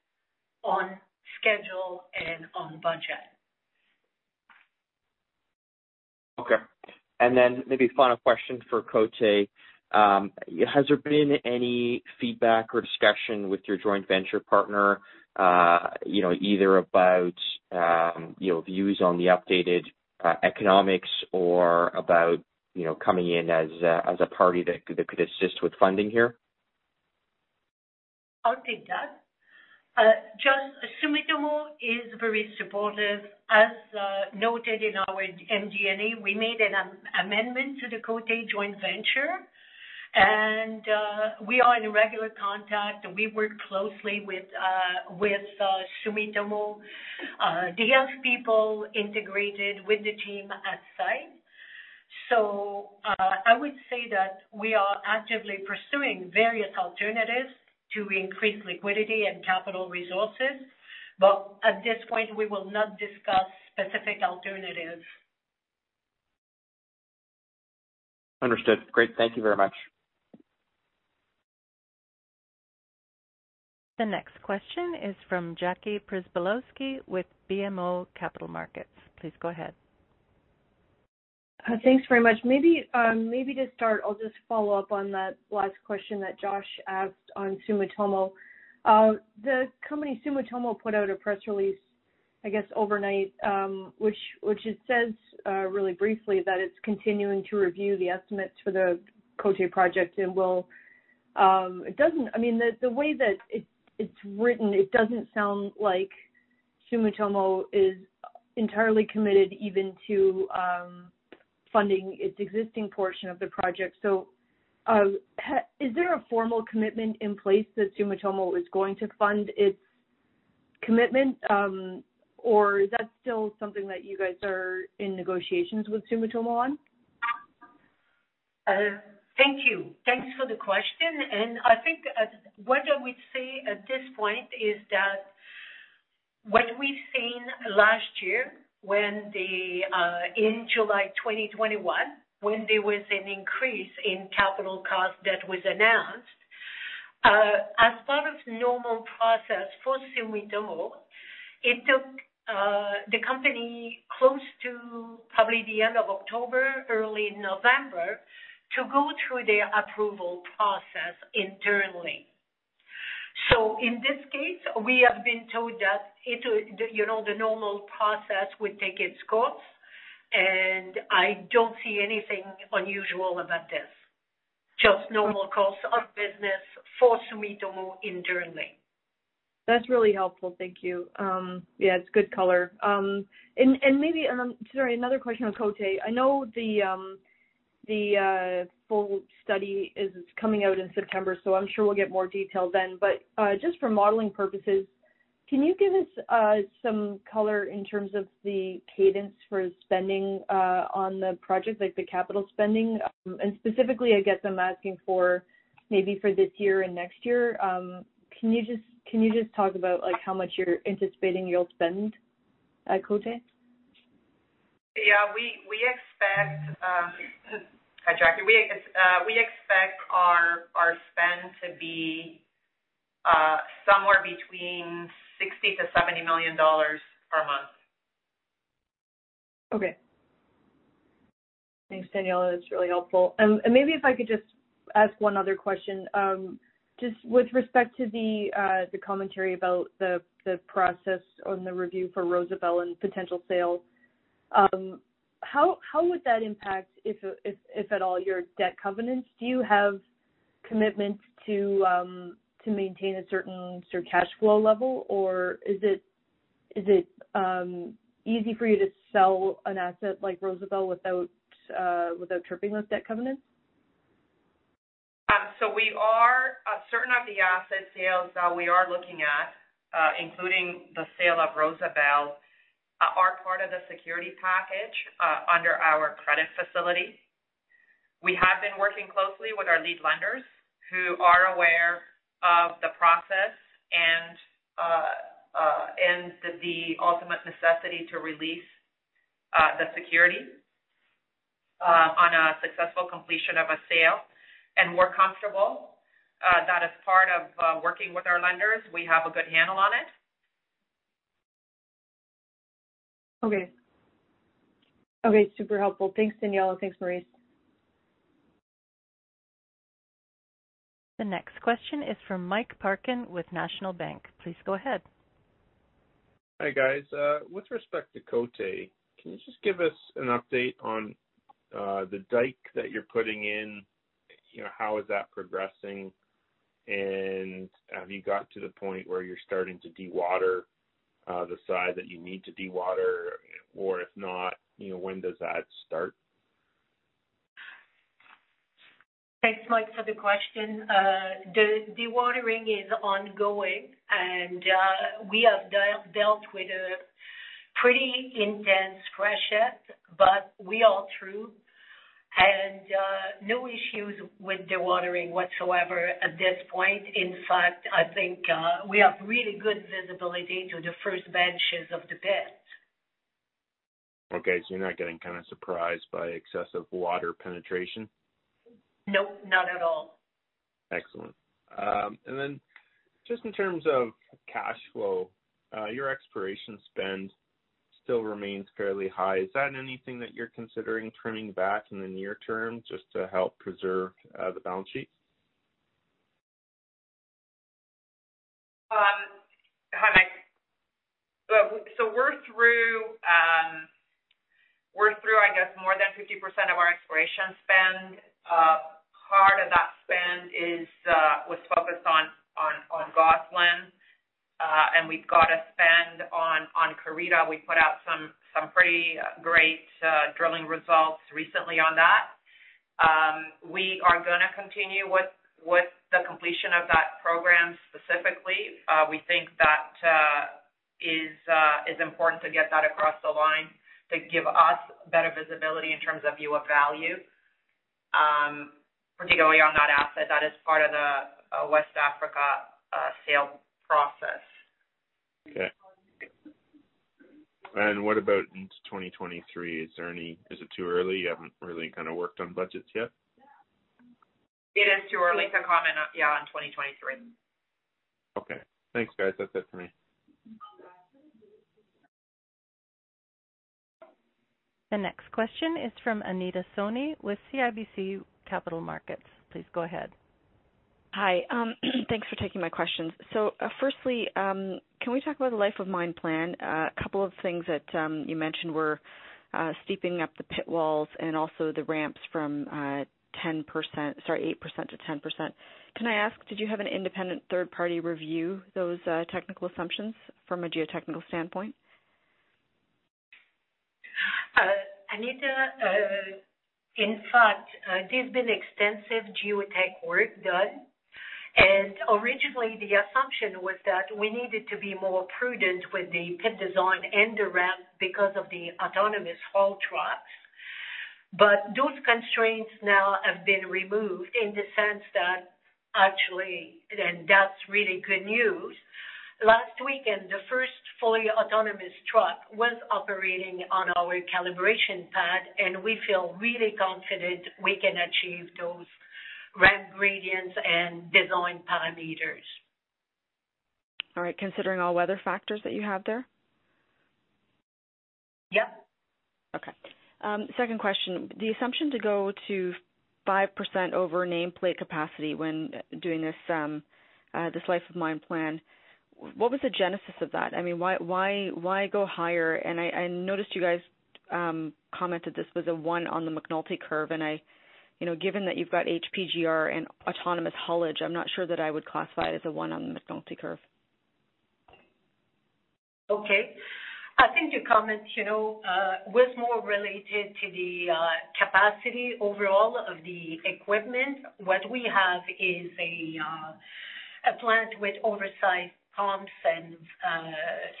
C: on schedule and on budget.
F: Okay. Maybe final question for Côté. Has there been any feedback or discussion with your joint venture partner, you know, either about, you know, views on the updated economics or about, you know, coming in as a party that could assist with funding here?
C: I'll take that. Josh, Sumitomo is very supportive. As noted in our MD&A, we made an amendment to the Côté joint venture, and we are in regular contact, and we work closely with Sumitomo. They have people integrated with the team at site. I would say that we are actively pursuing various alternatives to increase liquidity and capital resources. At this point, we will not discuss specific alternatives.
F: Understood. Great. Thank you very much.
A: The next question is from Jackie Przybylowski with BMO Capital Markets. Please go ahead.
G: Thanks very much. Maybe to start, I'll just follow up on that last question that Josh asked on Sumitomo. The company Sumitomo put out a press release, I guess overnight, which it says really briefly that it's continuing to review the estimates for the Côté project and will. I mean, the way that it's written, it doesn't sound like Sumitomo is entirely committed even to funding its existing portion of the project. Is there a formal commitment in place that Sumitomo is going to fund its commitment, or is that still something that you guys are in negotiations with Sumitomo on?
C: Thank you. Thanks for the question. I think what I would say at this point is that what we've seen last year when in July 2021, when there was an increase in capital costs that was announced as part of normal process for Sumitomo, it took the company close to probably the end of October, early November, to go through their approval process internally. In this case, we have been told that it'll, you know, the normal process will take its course, and I don't see anything unusual about this. Just normal course of business for Sumitomo internally.
G: That's really helpful. Thank you. Yeah, it's good color. And maybe, sorry, another question on Côté. I know the full study is coming out in September, so I'm sure we'll get more detail then. Just for modeling purposes, can you give us some color in terms of the cadence for spending on the project, like the capital spending? And specifically, I guess I'm asking for maybe for this year and next year. Can you just talk about, like, how much you're anticipating you'll spend at Côté?
D: Hi, Jackie. We expect our spend to be somewhere between $60 million to $70 million per month.
G: Okay. Thanks, Daniella. That's really helpful. Maybe if I could just ask one other question. Just with respect to the commentary about the process on the review for Rosebel and potential sale, how would that impact, if at all, your debt covenants? Do you have commitments to maintain a certain cash flow level? Or is it easy for you to sell an asset like Rosebel without tripping those debt covenants?
D: So we are certain of the asset sales that we are looking at, including the sale of Rosebel, are part of the security package under our credit facility. We have been working closely with our lead lenders, who are aware of the process and the ultimate necessity to release the security on a successful completion of a sale. We're comfortable that as part of working with our lenders, we have a good handle on it.
G: Okay. Okay, super helpful. Thanks, Daniella. Thanks, Maryse.
A: The next question is from Mike Parkin with National Bank. Please go ahead.
H: Hi, guys. With respect to Côté, can you just give us an update on the dike that you're putting in? You know, how is that progressing? Have you got to the point where you're starting to dewater the side that you need to dewater? If not, you know, when does that start?
C: Thanks, Mike, for the question. The dewatering is ongoing, and we have dealt with a pretty intense freshet, but we are through. No issues with dewatering whatsoever at this point. In fact, I think we have really good visibility to the first benches of the pit.
H: Okay. You're not getting kind of surprised by excessive water penetration?
C: Nope, not at all.
H: Excellent. Just in terms of cash flow, your exploration spend still remains fairly high. Is that anything that you're considering trimming back in the near term just to help preserve the balance sheet?
D: Hi, Mike. We're through, I guess more than 50% of our exploration spend. Part of that spend was focused on Gosselin. We've got a spend on Karita. We put out some pretty great drilling results recently on that. We are gonna continue with the completion of that program specifically. We think that is important to get that across the line to give us better visibility in terms of view of value, particularly on that asset. That is part of the West Africa sale process.
H: Okay. What about into 2023? Is it too early? You haven't really kind of worked on budgets yet?
D: It is too early to comment, yeah, on 2023.
H: Okay. Thanks, guys. That's it for me.
A: The next question is from Anita Soni with CIBC Capital Markets. Please go ahead.
I: Hi. Thanks for taking my questions. Firstly, can we talk about the life of mine plan? A couple of things that you mentioned were steepening the pit walls and also the ramps from 8% to 10%. Can I ask, did you have an independent third party review those technical assumptions from a geotechnical standpoint?
C: Anita, in fact, there's been extensive geotech work done. Originally, the assumption was that we needed to be more prudent with the pit design and the ramp because of the autonomous haul trucks. Those constraints now have been removed in the sense that actually. That's really good news. Last weekend, the first fully autonomous truck was operating on our calibration pad, and we feel really confident we can achieve those ramp gradients and design parameters.
I: All right. Considering all weather factors that you have there?
C: Yep.
I: Okay. Second question. The assumption to go to 5% over nameplate capacity when doing this life of mine plan, what was the genesis of that? I mean, why go higher? I noticed you guys commented this was a one on the McNulty curve, and you know, given that you've got HPGR and autonomous haulage, I'm not sure that I would classify it as a one on the McNulty curve.
C: Okay. I think your comment, you know, was more related to the capacity overall of the equipment. What we have is a plant with oversized pumps and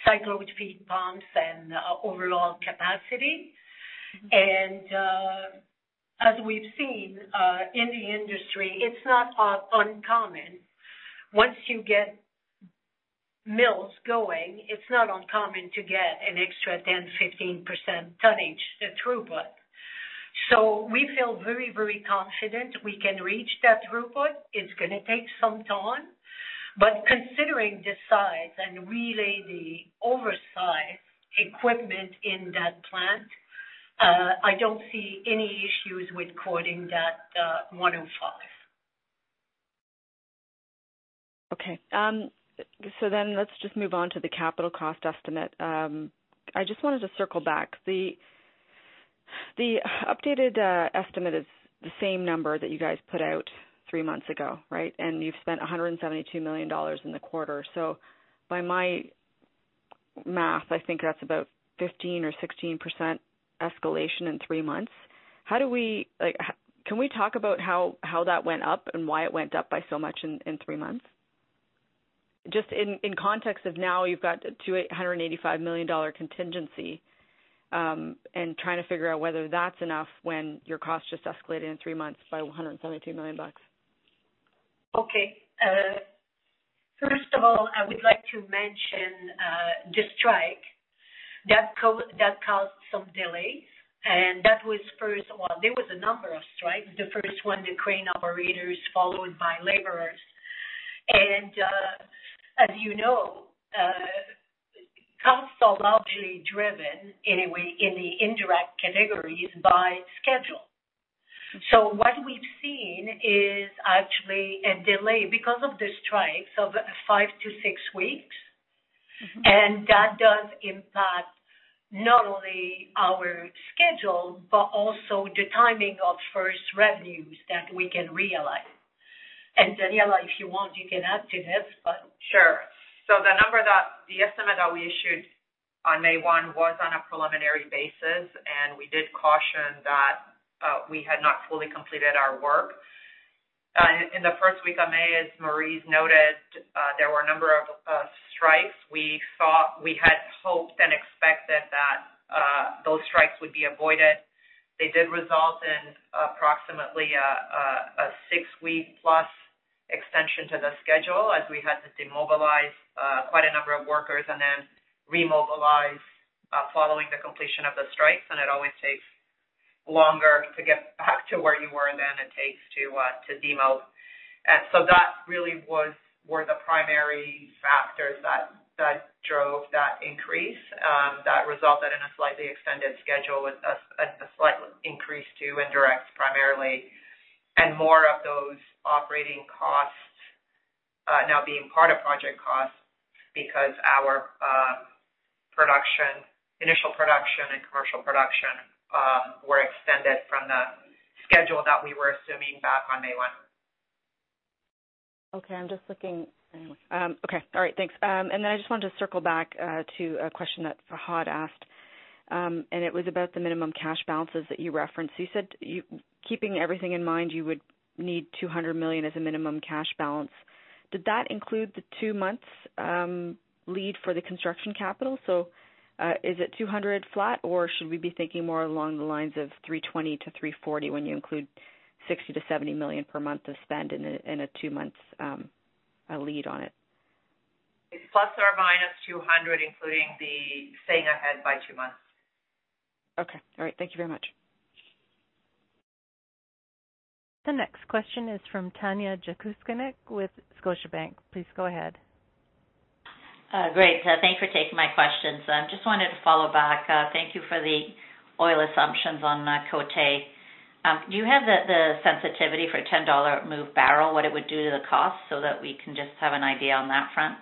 C: cyclone feed pumps and overall capacity. As we've seen in the industry, it's not uncommon. Once you get mills going, it's not uncommon to get an extra 10-15% tonnage throughput. We feel very, very confident we can reach that throughput. It's gonna take some time, but considering the size and really the oversize equipment in that plant, I don't see any issues with quoting that 105.
I: Okay. Let's just move on to the capital cost estimate. I just wanted to circle back. The updated estimate is the same number that you guys put out three months ago, right? You've spent $172 million in the quarter. By my math, I think that's about 15% or 16% escalation in three months. Like, can we talk about how that went up and why it went up by so much in three months? Just in context of now you've got $285 million contingency, and trying to figure out whether that's enough when your costs just escalated in three months by $172 million.
C: Okay. First of all, I would like to mention the strike that caused some delay, and that was first. Well, there was a number of strikes, the first one, the crane operators, followed by laborers. As you know, costs are largely driven, anyway, in the indirect categories by schedule. What we've seen is actually a delay because of the strikes of 5-6 weeks.
I: Mm-hmm.
C: That does impact not only our schedule, but also the timing of first revenues that we can realize. Daniella, if you want, you can add to this, but-
D: Sure. The estimate that we issued on May 1 was on a preliminary basis, and we did caution that we had not fully completed our work. In the first week of May, as Maryse's noted, there were a number of strikes. We had hoped and expected that those strikes would be avoided. They did result in approximately a 6-week-plus extension to the schedule as we had to demobilize quite a number of workers and then remobilize following the completion of the strikes. It always takes longer to get back to where you were than it takes to demo. That really were the primary factors that drove that increase that resulted in a slightly extended schedule with a slight increase to indirect, primarily, and more of those operating costs now being part of project costs because our production, initial production and commercial production, were extended from the schedule that we were assuming back on May 1.
I: Okay. I'm just looking. Anyway, okay. All right. Thanks. I just wanted to circle back to a question that Fahad asked, and it was about the minimum cash balances that you referenced. You said, keeping everything in mind, you would need $200 million as a minimum cash balance. Did that include the two months lead for the construction capital? Is it $200 flat, or should we be thinking more along the lines of $320 to $340 when you include $60 to $70 million per month of spend in a two months? A lead on it.
D: It's ±$200, including the staying ahead by 2 months.
C: Okay. All right. Thank you very much.
A: The next question is from Tanya Jakusconek with Scotiabank. Please go ahead.
J: Great. Thanks for taking my question. I just wanted to follow back. Thank you for the oil assumptions on Côté. Do you have the sensitivity for a $10 move per barrel, what it would do to the cost so that we can just have an idea on that front?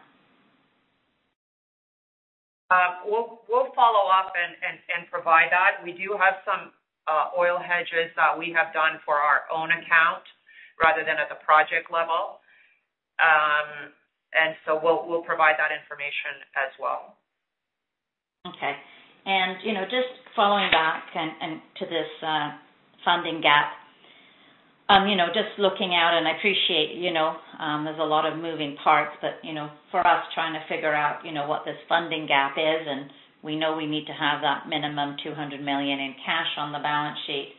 D: We'll follow up and provide that. We do have some oil hedges that we have done for our own account rather than at the project level. We'll provide that information as well.
J: Okay. You know, just following back and to this funding gap, you know, just looking out and I appreciate, you know, there's a lot of moving parts, but, you know, for us trying to figure out, you know, what this funding gap is, and we know we need to have that minimum $200 million in cash on the balance sheet.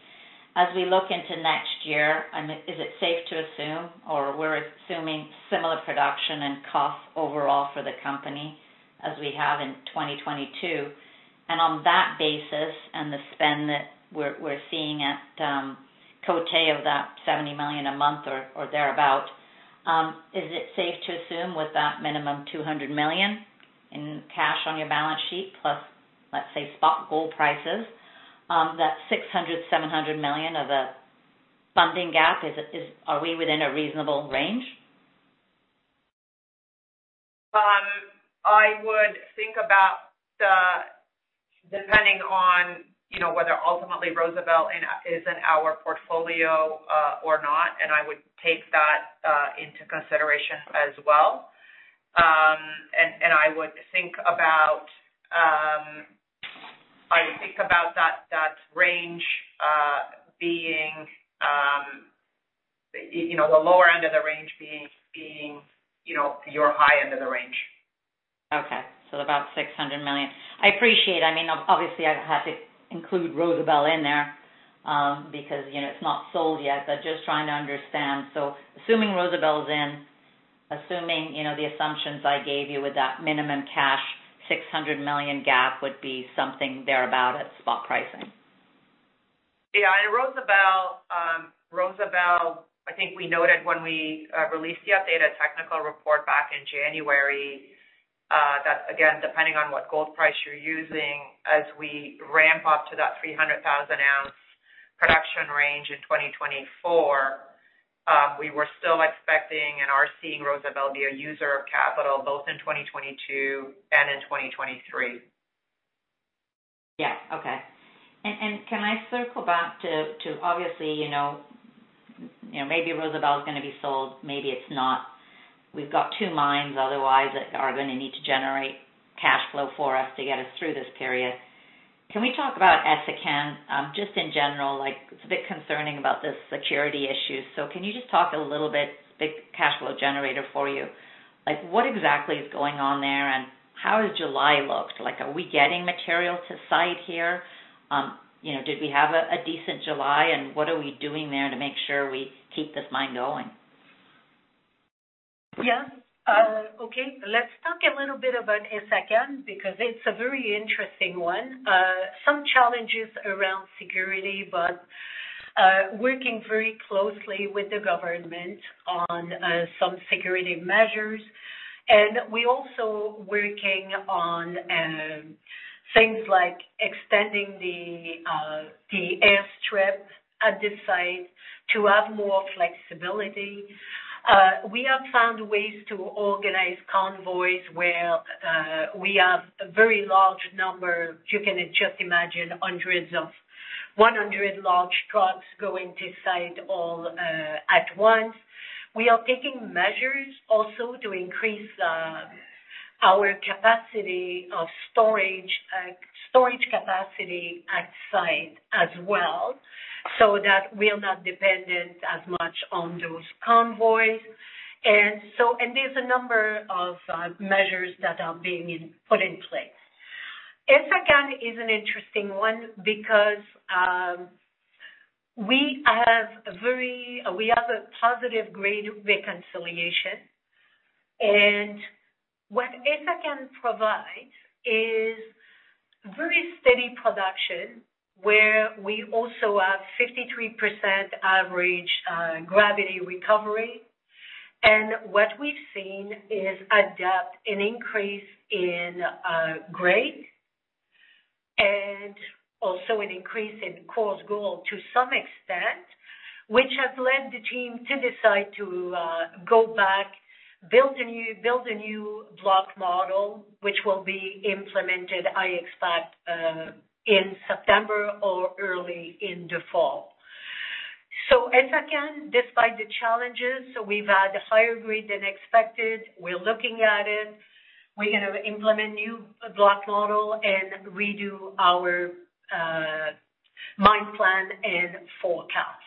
J: As we look into next year, is it safe to assume or we're assuming similar production and costs overall for the company as we have in 2022? On that basis and the spend that we're seeing at Côté of that $70 million a month or thereabout, is it safe to assume with that minimum $200 million in cash on your balance sheet plus, let's say, spot gold prices, that $600-$700 million of a funding gap, are we within a reasonable range?
D: I would think about depending on, you know, whether ultimately Rosebel is in our portfolio or not, and I would take that into consideration as well. I would think about I think about that range being, you know, the lower end of the range being, you know, your high end of the range.
J: About $600 million. I appreciate it. I mean, obviously, I have to include Rosebel in there, because, you know, it's not sold yet, but just trying to understand. Assuming Rosebel is in, you know, the assumptions I gave you with that minimum cash $600 million gap would be something thereabout at spot pricing.
D: Yeah. Rosebel, I think we noted when we released the updated technical report back in January, that again, depending on what gold price you're using as we ramp up to that 300,000 ounce production range in 2024, we were still expecting and are seeing Rosebel be a user of capital both in 2022 and in 2023.
J: Yeah. Okay. Can I circle back to obviously, you know, maybe Rosebel is gonna be sold, maybe it's not. We've got two mines otherwise that are gonna need to generate cash flow for us to get us through this period. Can we talk about Essakane just in general? Like, it's a bit concerning about the security issue. Can you just talk a little bit. It's a big cash flow generator for you. Like, what exactly is going on there, and how does July look? Like, are we getting material to site here? You know, did we have a decent July, and what are we doing there to make sure we keep this mine going?
C: Yeah. Okay. Let's talk a little bit about Essakane because it's a very interesting one. Some challenges around security, but working very closely with the government on some security measures. We're also working on things like extending the airstrip at this site to have more flexibility. We have found ways to organize convoys where we have a very large number. You can just imagine 100 large trucks going to site all at once. We are taking measures also to increase our storage capacity at site as well, so that we're not dependent as much on those convoys. There's a number of measures that are being put in place. Essakane is an interesting one because we have a positive grade reconciliation. What Essakane provides is very steady production, where we also have 53% average gravity recovery. What we've seen is a dip, an increase in grade and also an increase in coarse gold to some extent, which has led the team to decide to go back, build a new block model, which will be implemented, I expect, in September or early in the fall. Essakane, despite the challenges, we've had higher grade than expected. We're looking at it. We're gonna implement new block model and redo our mine plan and forecast.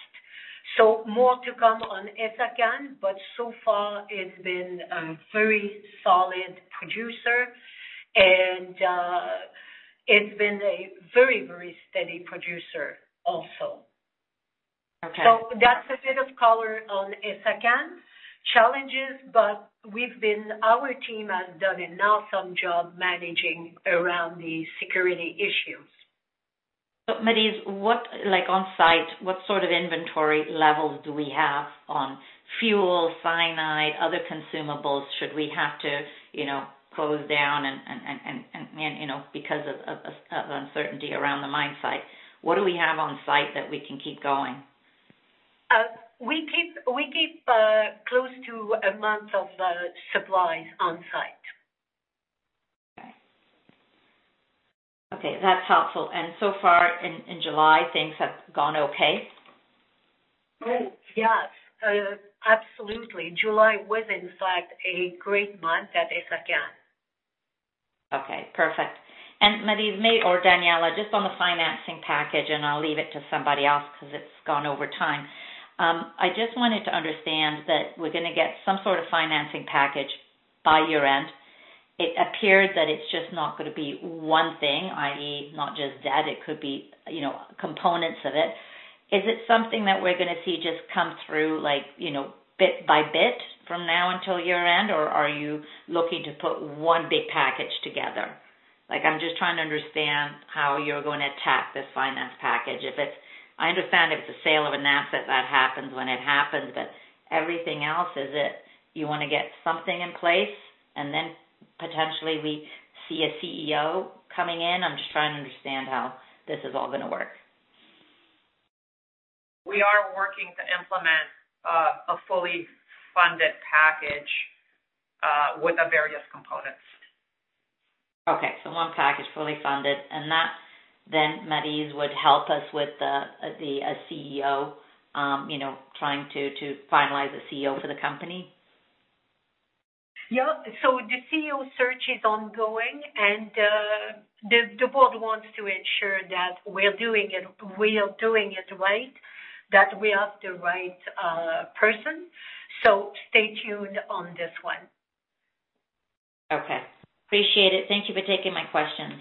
C: More to come on Essakane, but so far it's been a very solid producer, and it's been a very, very steady producer also. That's a bit of color on Essakane challenges, but we've been our team has done an awesome job managing around the security issues.
J: Maryse, what, like, on site, what sort of inventory levels do we have on fuel, cyanide, other consumables should we have to, you know, close down and you know because of uncertainty around the mine site? What do we have on site that we can keep going?
C: We keep close to a month of supplies on site.
J: Okay. Okay, that's helpful. So far in July, things have gone okay?
C: Yes, absolutely. July was in fact a great month at Essakane.
J: Okay, perfect. Maryse or Daniella, just on the financing package, and I'll leave it to somebody else because it's gone over time. I just wanted to understand that we're gonna get some sort of financing package by year-end. It appeared that it's just not gonna be one thing, i.e., not just that it could be, you know, components of it. Is it something that we're gonna see just come through like, you know, bit by bit from now until year-end? Or are you looking to put one big package together? Like, I'm just trying to understand how you're gonna attack this finance package. If it's I understand if it's a sale of an asset that happens when it happens, but everything else, is it you wanna get something in place and then potentially we see a CEO coming in? I'm just trying to understand how this is all gonna work.
D: We are working to implement a fully funded package with the various components.
J: One package, fully funded. That then, Maryse, would help us with the CEO trying to finalize a CEO for the company?
C: Yeah. The CEO search is ongoing and the board wants to ensure that we're doing it right, that we have the right person. Stay tuned on this one.
J: Okay. Appreciate it. Thank you for taking my questions.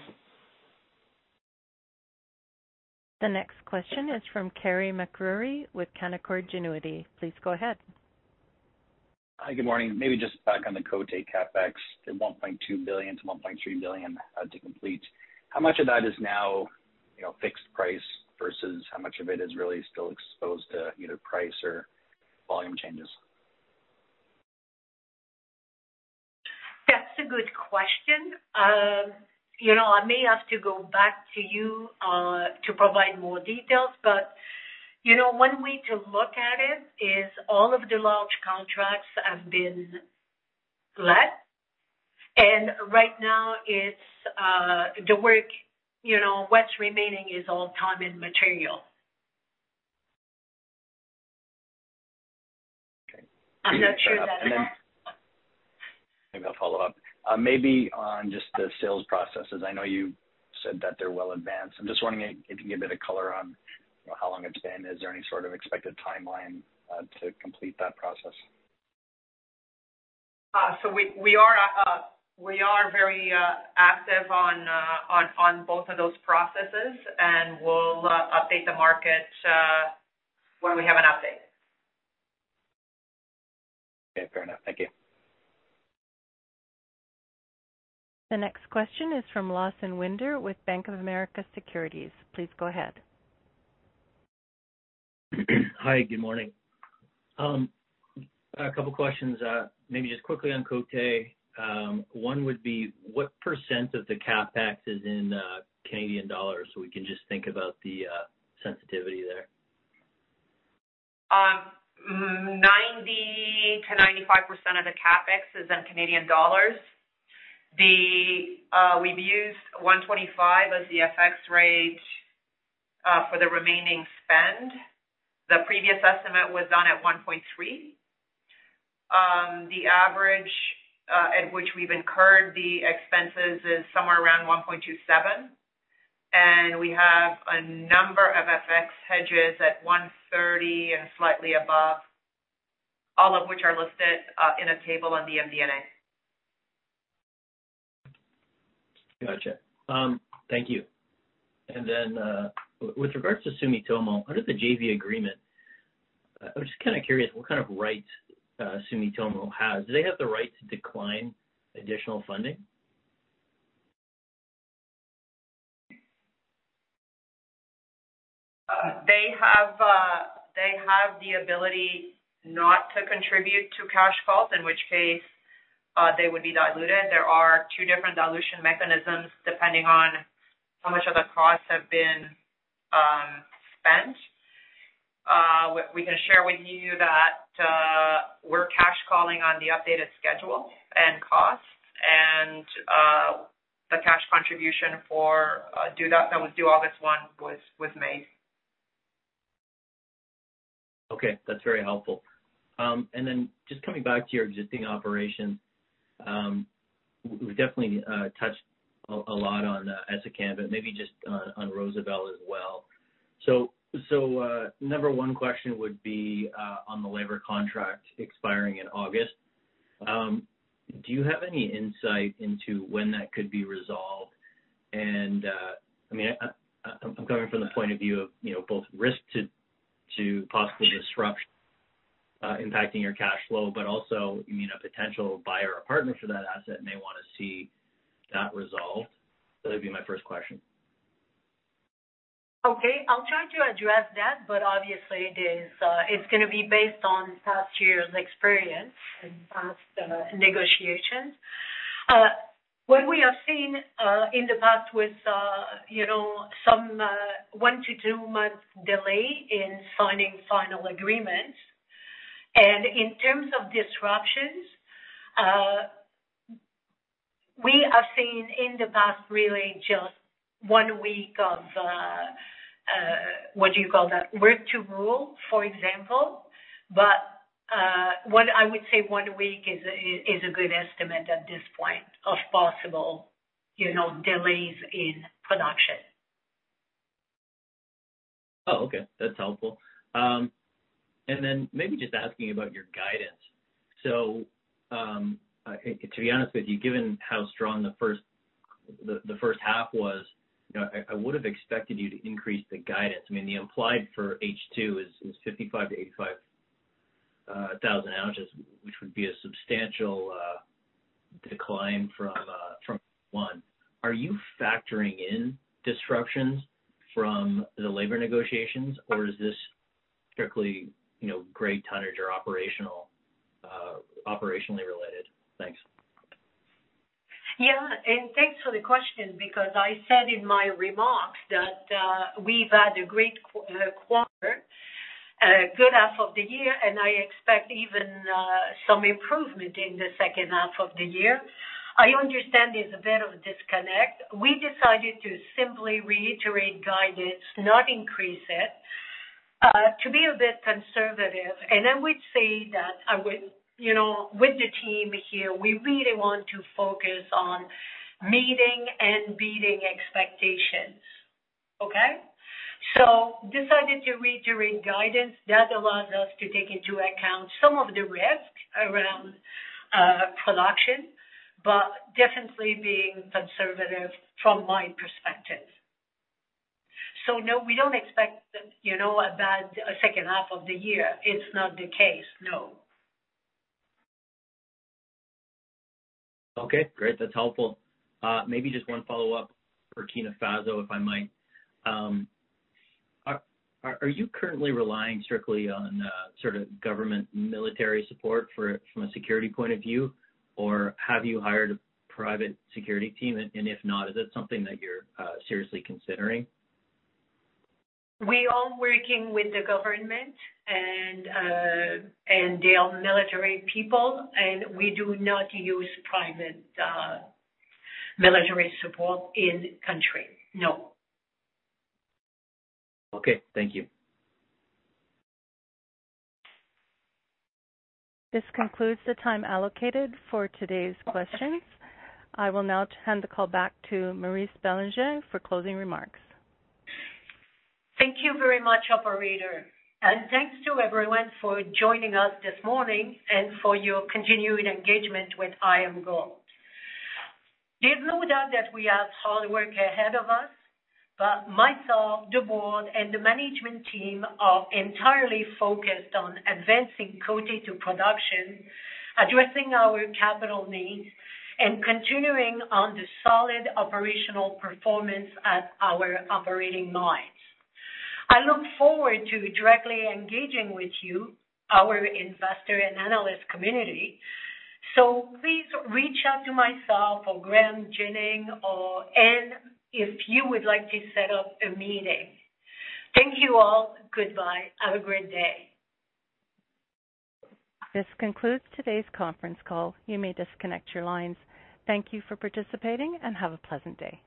A: The next question is from Carey MacRury with Canaccord Genuity. Please go ahead.
K: Hi, good morning. Maybe just back on the Côté CapEx, the $1.2 billion-$1.3 billion to complete. How much of that is now, you know, fixed price versus how much of it is really still exposed to either price or volume changes?
C: That's a good question. You know, I may have to go back to you to provide more details. You know, one way to look at it is all of the large contracts have been let. Right now it's the work, you know, what's remaining is all time and material.
K: Okay.
C: I'm not sure that.
K: Maybe I'll follow up. Maybe on just the sales processes. I know you said that they're well advanced. I'm just wondering if you can give a bit of color on, you know, how long it's been. Is there any sort of expected timeline to complete that process?
D: We are very active on both of those processes, and we'll update the market when we have an update.
K: Okay. Fair enough. Thank you.
A: The next question is from Lawson Winder with Bank of America Securities. Please go ahead.
L: Hi. Good morning. A couple questions, maybe just quickly on Côté. One would be what % of the CapEx is in Canadian dollars, so we can just think about the sensitivity there?
D: 90%-95% of the CapEx is in Canadian dollars. We've used 1.25 as the FX rate for the remaining spend. The previous estimate was done at 1.3. The average at which we've incurred the expenses is somewhere around 1.27, and we have a number of FX hedges at 1.30 and slightly above, all of which are listed in a table on the MD&A.
L: Gotcha. Thank you. Then, with regards to Sumitomo, under the JV agreement, I'm just kind of curious what kind of rights Sumitomo has. Do they have the right to decline additional funding?
D: They have the ability not to contribute to cash calls, in which case they would be diluted. There are two different dilution mechanisms depending on how much of the costs have been spent. We can share with you that we're cash calling on the updated schedule and costs and the cash contribution that was due August 1 was made.
L: Okay. That's very helpful. Just coming back to your existing operations, we definitely touched a lot on Essakane, but maybe just on Rosebel as well. Number one question would be on the labor contract expiring in August. Do you have any insight into when that could be resolved? I mean, I'm coming from the point of view of, you know, both risk to possible disruption impacting your cash flow, but also, you know, potential buyer or partner for that asset may wanna see that resolved. That'd be my first question.
C: Okay, I'll try to address that, but obviously it is, it's gonna be based on past years' experience and past negotiations. What we have seen in the past with some 1-2 months delay in signing final agreements. In terms of disruptions, we have seen in the past really just one week of work to rule, for example. What I would say one week is a good estimate at this point of possible delays in production.
L: Oh, okay, that's helpful. Maybe just asking about your guidance. To be honest with you, given how strong the first half was, you know, I would've expected you to increase the guidance. I mean, the implied for H2 is 55-85 thousand ounces, which would be a substantial decline from H1. Are you factoring in disruptions from the labor negotiations, or is this strictly grade, tonnage or operationally related? Thanks.
C: Yeah, thanks for the question because I said in my remarks that we've had a great quarter, a good half of the year, and I expect even some improvement in the second half of the year. I understand there's a bit of a disconnect. We decided to simply reiterate guidance, not increase it, to be a bit conservative. I would say that, you know, with the team here, we really want to focus on meeting and beating expectations. Okay? We decided to reiterate guidance that allows us to take into account some of the risk around production, but definitely being conservative from my perspective. No, we don't expect, you know, a bad second half of the year. It's not the case, no.
L: Okay, great. That's helpful. Maybe just one follow-up for Tanya, if I might. Are you currently relying strictly on sort of government military support from a security point of view? Or have you hired a private security team? If not, is that something that you're seriously considering?
C: We are working with the government and their military people, and we do not use private military support in country. No.
L: Okay, thank you.
A: This concludes the time allocated for today's questions. I will now hand the call back to Maryse Bélanger for closing remarks.
C: Thank you very much, operator, and thanks to everyone for joining us this morning and for your continuing engagement with IAMGOLD. There's no doubt that we have hard work ahead of us, but myself, the board, and the management team are entirely focused on advancing Côté production, addressing our capital needs, and continuing on the solid operational performance at our operating mines. I look forward to directly engaging with you, our investor and analyst community. Please reach out to myself or Graeme Jennings or Anne if you would like to set up a meeting. Thank you all. Goodbye. Have a great day.
A: This concludes today's conference call. You may disconnect your lines. Thank you for participating and have a pleasant day.